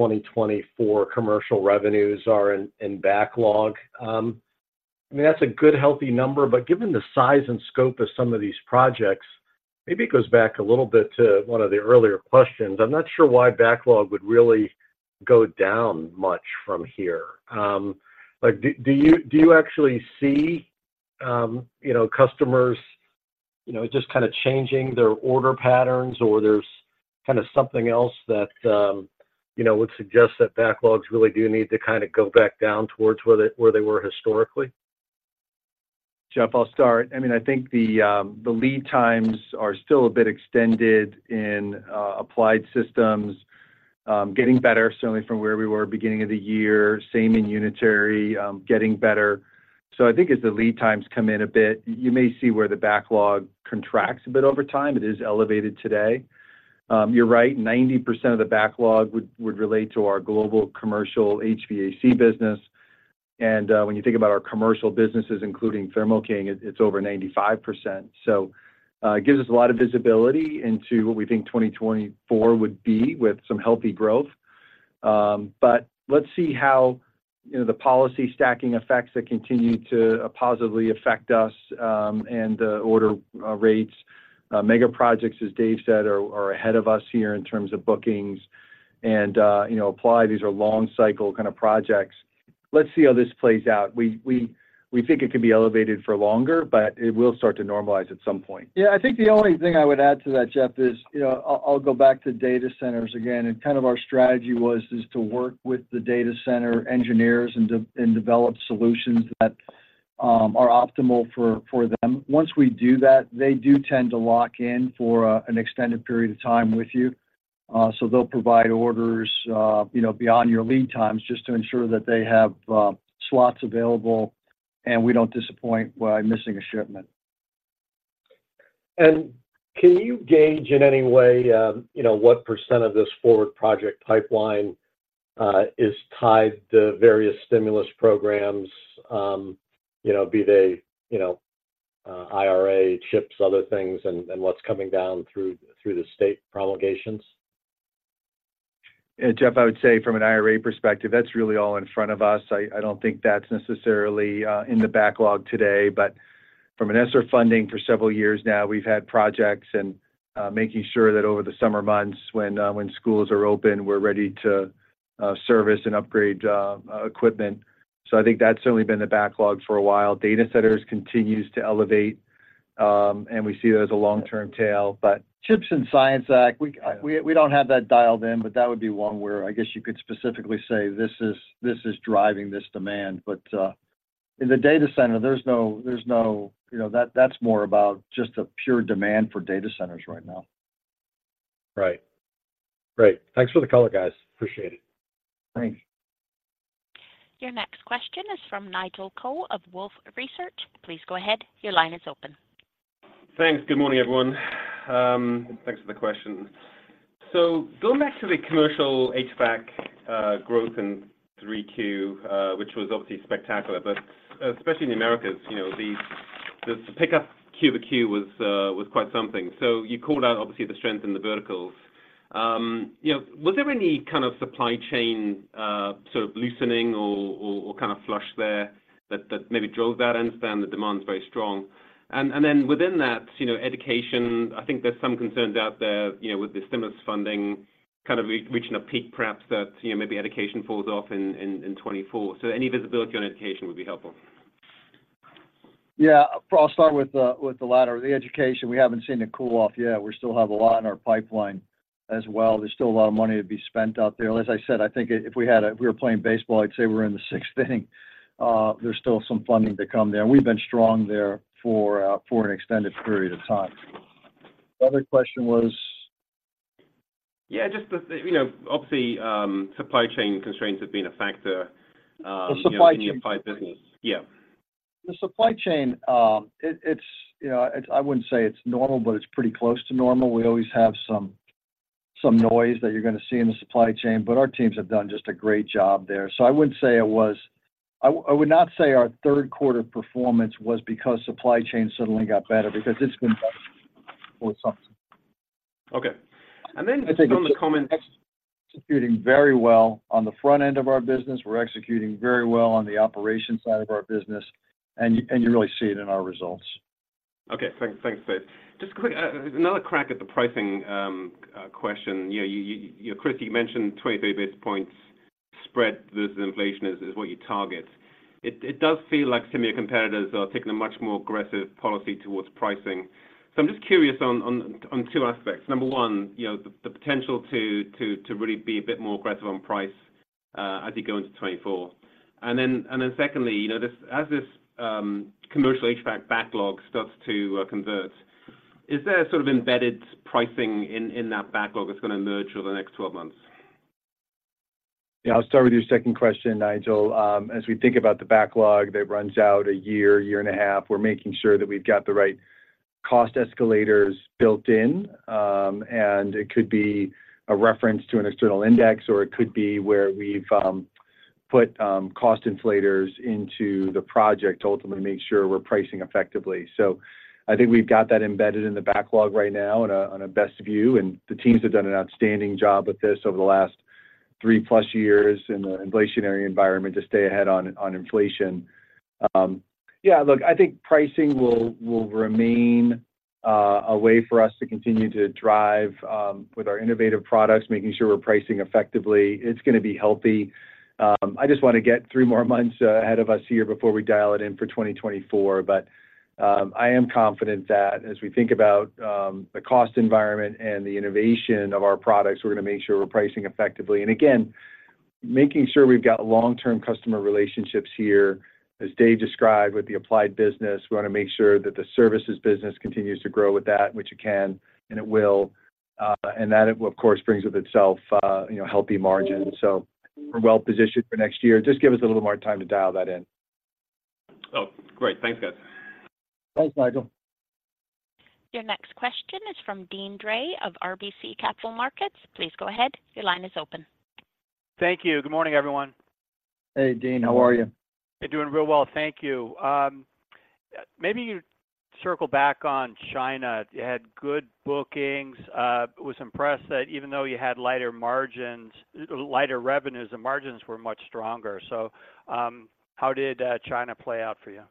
half of your 2024 commercial revenues are in backlog. I mean, that's a good, healthy number, but given the size and scope of some of these projects, maybe it goes back a little bit to one of the earlier questions. I'm not sure why backlog would really go down much from here. Like, do you actually see, you know, customers, you know, just kinda changing their order patterns, or there's kinda something else that, you know, would suggest that backlogs really do need to kinda go back down towards where they were historically? Jeff, I'll start. I mean, I think the lead times are still a bit extended in Applied Systems, getting better, certainly from where we were beginning of the year, same in Unitary, getting better. So I think as the lead times come in a bit, you may see where the backlog contracts a bit over time. It is elevated today. You're right, 90% of the backlog would relate to our global commercial HVAC business, and when you think about our commercial businesses, including Thermo King, it's over 95%. So it gives us a lot of visibility into what we think 2024 would be with some healthy growth. But let's see how, you know, the policy stacking effects that continue to positively affect us, and order rates. Mega projects, as Dave said, are ahead of us here in terms of bookings and, you know, applied. These are long cycle kinda projects. Let's see how this plays out. We think it could be elevated for longer, but it will start to normalize at some point. Yeah, I think the only thing I would add to that, Jeff, is, you know, I'll, I'll go back to data centers again. And kind of our strategy was, is to work with the data center engineers and develop solutions that- ... are optimal for them. Once we do that, they do tend to lock in for an extended period of time with you. So they'll provide orders, you know, beyond your lead times just to ensure that they have slots available, and we don't disappoint by missing a shipment. Can you gauge in any way, you know, what percent of this forward project pipeline is tied to various stimulus programs, you know, be they, you know, IRA, CHIPS, other things, and what's coming down through the state promulgations? Yeah, Jeff, I would say from an IRA perspective, that's really all in front of us. I, I don't think that's necessarily in the backlog today. But from an ESSER funding for several years now, we've had projects and making sure that over the summer months when schools are open, we're ready to service and upgrade equipment. So I think that's certainly been the backlog for a while. Data centers continues to elevate, and we see it as a long-term tail. But CHIPS and Science Act, we- Yeah. We, we don't have that dialed in, but that would be one where I guess you could specifically say, this is, this is driving this demand. But, in the data center, there's no, there's no... You know, that's more about just a pure demand for data centers right now. Right. Great. Thanks for the color, guys. Appreciate it. Thanks. Your next question is from Nigel Coe of Wolfe Research. Please go ahead. Your line is open. Thanks. Good morning, everyone. Thanks for the question. So going back to the commercial HVAC growth in 3Q, which was obviously spectacular, but especially in the Americas, you know, the pickup Q-over-Q was quite something. So you called out, obviously, the strength in the verticals. You know, was there any kind of supply chain sort of loosening or kind of flush there that maybe drove that? I understand the demand's very strong. And then within that, you know, education, I think there's some concerns out there, you know, with the stimulus funding kind of re-reaching a peak, perhaps, that, you know, maybe education falls off in 2024. So any visibility on education would be helpful. Yeah. I'll start with the latter. The education, we haven't seen it cool off yet. We still have a lot in our pipeline as well. There's still a lot of money to be spent out there. As I said, I think if we were playing baseball, I'd say we're in the sixth inning. There's still some funding to come there. We've been strong there for an extended period of time. The other question was? Yeah, just the, you know, obviously, supply chain constraints have been a factor. The supply chain- in the Applied business. Yeah. The supply chain, it's, you know, I wouldn't say it's normal, but it's pretty close to normal. We always have some noise that you're gonna see in the supply chain, but our teams have done just a great job there. So I wouldn't say our third quarter performance was because supply chain suddenly got better, because it's been better for some time. Okay. And then- I think- Just on the comment. Executing very well on the front end of our business. We're executing very well on the operation side of our business, and you, and you really see it in our results. Okay. Thanks. Thanks, Dave. Just quick, another crack at the pricing question. You know, you know, Chris, you mentioned 23 basis points spread versus inflation is what you target. It does feel like some of your competitors are taking a much more aggressive policy towards pricing. So I'm just curious on two aspects. Number one, you know, the potential to really be a bit more aggressive on price as you go into 2024. And then secondly, you know, this as this commercial HVAC backlog starts to convert, is there a sort of embedded pricing in that backlog that's gonna emerge over the next 12 months? Yeah, I'll start with your second question, Nigel. As we think about the backlog that runs out a year, year and a half, we're making sure that we've got the right cost escalators built in. And it could be a reference to an external index, or it could be where we've put cost insulators into the project to ultimately make sure we're pricing effectively. So I think we've got that embedded in the backlog right now on a best view, and the teams have done an outstanding job with this over the last three-plus years in the inflationary environment to stay ahead on inflation. Yeah, look, I think pricing will remain a way for us to continue to drive with our innovative products, making sure we're pricing effectively. It's gonna be healthy. I just wanna get three more months ahead of us here before we dial it in for 2024. But, I am confident that as we think about the cost environment and the innovation of our products, we're gonna make sure we're pricing effectively. And again, making sure we've got long-term customer relationships here, as Dave described with the applied business, we wanna make sure that the services business continues to grow with that, which it can, and it will. And that, of course, brings with itself, you know, healthy margins. So we're well positioned for next year. Just give us a little more time to dial that in. Oh, great. Thanks, guys. Thanks, Nigel. Your next question is from Deane Dray of RBC Capital Markets. Please go ahead. Your line is open. Thank you. Good morning, everyone. Hey, Deane. How are you? Doing real well, thank you. Maybe you circle back on China. You had good bookings. Was impressed that even though you had lighter margins—lighter revenues, the margins were much stronger. So, how did China play out for you?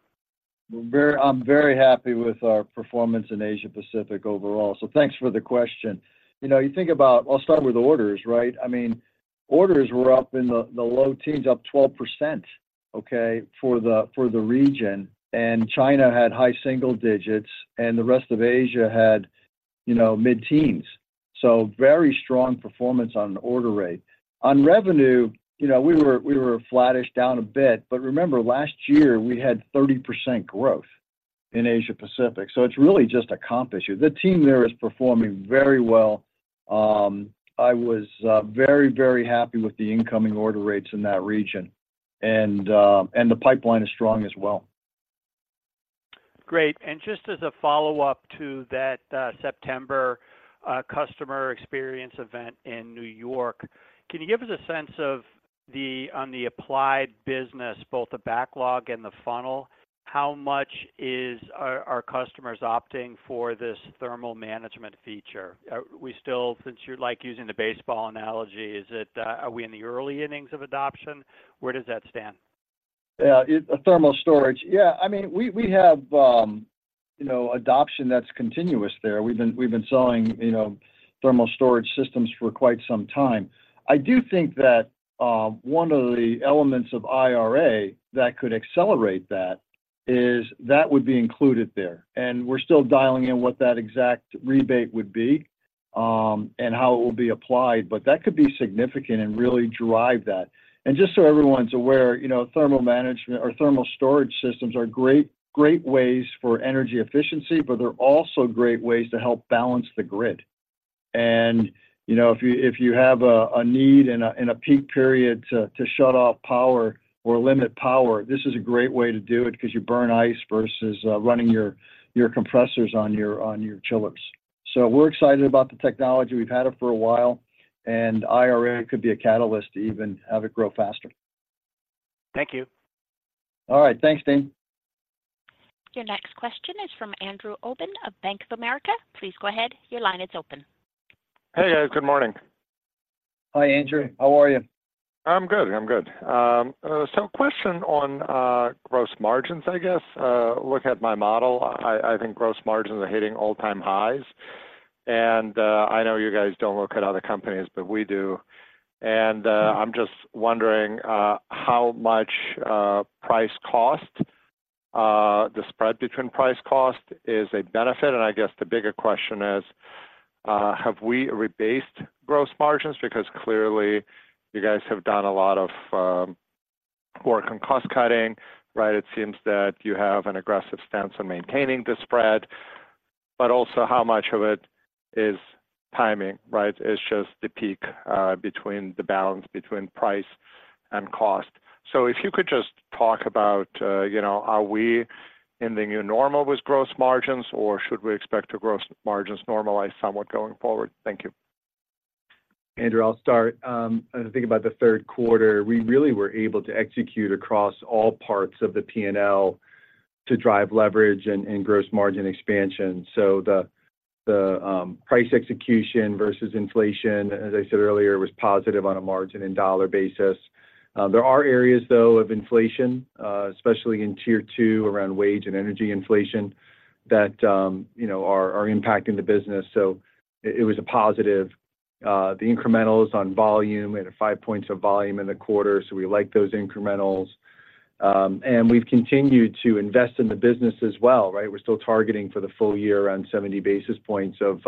I'm very happy with our performance in Asia Pacific overall, so thanks for the question. You know, you think about... I'll start with orders, right? I mean, orders were up in the low teens, up 12%, okay, for the region, and China had high single digits, and the rest of Asia had, you know, mid-teens.... So very strong performance on order rate. On revenue, you know, we were flattish down a bit, but remember, last year we had 30% growth in Asia Pacific, so it's really just a comp issue. The team there is performing very well. I was very, very happy with the incoming order rates in that region. And the pipeline is strong as well. Great. And just as a follow-up to that, September customer experience event in New York, can you give us a sense of on the Applied business, both the backlog and the funnel, how much are customers opting for this thermal management feature? We still, since you like using the baseball analogy, is it are we in the early innings of adoption? Where does that stand? Yeah, it, thermal storage. Yeah. I mean, we have, you know, adoption that's continuous there. We've been selling, you know, thermal storage systems for quite some time. I do think that one of the elements of IRA that could accelerate that is that would be included there, and we're still dialing in what that exact rebate would be, and how it will be applied, but that could be significant and really drive that. Just so everyone's aware, you know, thermal management or thermal storage systems are great, great ways for energy efficiency, but they're also great ways to help balance the grid. You know, if you have a need in a peak period to shut off power or limit power, this is a great way to do it because you burn ice versus running your compressors on your chillers. So we're excited about the technology. We've had it for a while, and IRA could be a catalyst to even have it grow faster. Thank you. All right. Thanks, Deane. Your next question is from Andrew Obin of Bank of America. Please go ahead. Your line is open. Hey, guys. Good morning. Hi, Andrew. How are you? I'm good. I'm good. So question on gross margins, I guess. Looking at my model, I think gross margins are hitting all-time highs, and I know you guys don't look at other companies, but we do. And I'm just wondering how much price cost the spread between price cost is a benefit. And I guess the bigger question is have we rebased gross margins? Because clearly you guys have done a lot of work on cost cutting, right? It seems that you have an aggressive stance on maintaining the spread, but also how much of it is timing, right? It's just the peak between the balance between price and cost. If you could just talk about, you know, are we in the new normal with gross margins, or should we expect the gross margins normalize somewhat going forward? Thank you. Andrew, I'll start. As I think about the third quarter, we really were able to execute across all parts of the P&L to drive leverage and gross margin expansion. So the price execution versus inflation, as I said earlier, was positive on a margin and dollar basis. There are areas, though, of inflation, especially in tier two, around wage and energy inflation, that you know are impacting the business. So it was a positive. The incrementals on volume added five points of volume in the quarter, so we like those incrementals. And we've continued to invest in the business as well, right? We're still targeting for the full year around 70 basis points of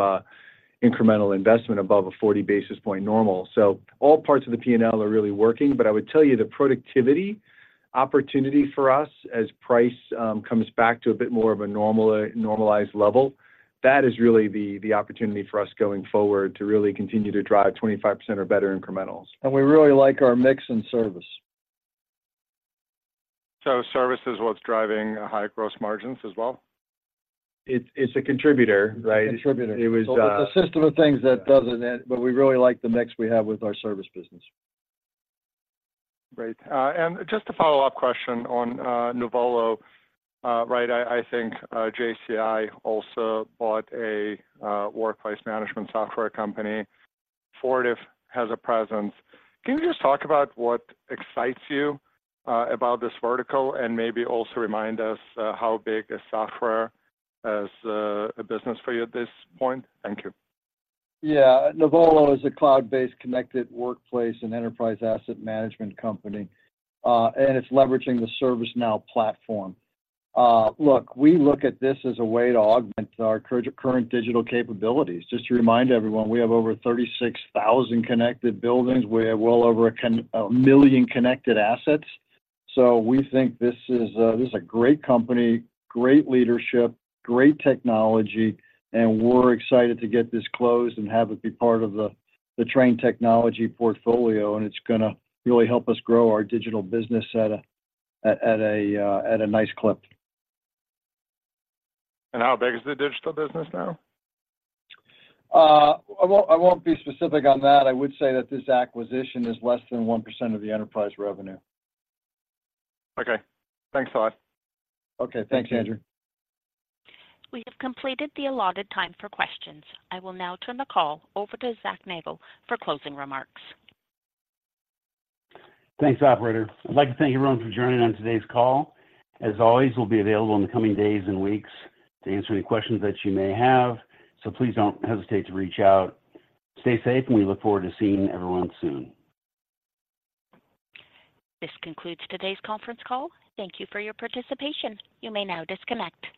incremental investment above a 40 basis point normal. So all parts of the P&L are really working. I would tell you, the productivity opportunity for us as price comes back to a bit more of a normal, normalized level, that is really the opportunity for us going forward to really continue to drive 25% or better incrementals. We really like our mix and service. So service is what's driving high gross margins as well? It's a contributor, right? A contributor. It was, It's a system of things that doesn't end, but we really like the mix we have with our service business. Great. And just a follow-up question on Nuvolo. Right, I think JCI also bought a workplace management software company. Fortive has a presence. Can you just talk about what excites you about this vertical? And maybe also remind us how big is software as a business for you at this point? Thank you. Yeah. Nuvolo is a cloud-based connected workplace and enterprise asset management company, and it's leveraging the ServiceNow platform. Look, we look at this as a way to augment our current digital capabilities. Just to remind everyone, we have over 36,000 connected buildings. We have well over 1 million connected assets. So we think this is a great company, great leadership, great technology, and we're excited to get this closed and have it be part of the Trane Technologies portfolio, and it's gonna really help us grow our digital business at a nice clip. How big is the digital business now? I won't be specific on that. I would say that this acquisition is less than 1% of the enterprise revenue. Okay. Thanks a lot. Okay. Thanks, Andrew. We have completed the allotted time for questions. I will now turn the call over to Zac Nagle for closing remarks. Thanks, operator. I'd like to thank everyone for joining on today's call. As always, we'll be available in the coming days and weeks to answer any questions that you may have, so please don't hesitate to reach out. Stay safe, and we look forward to seeing everyone soon. This concludes today's conference call. Thank you for your participation. You may now disconnect.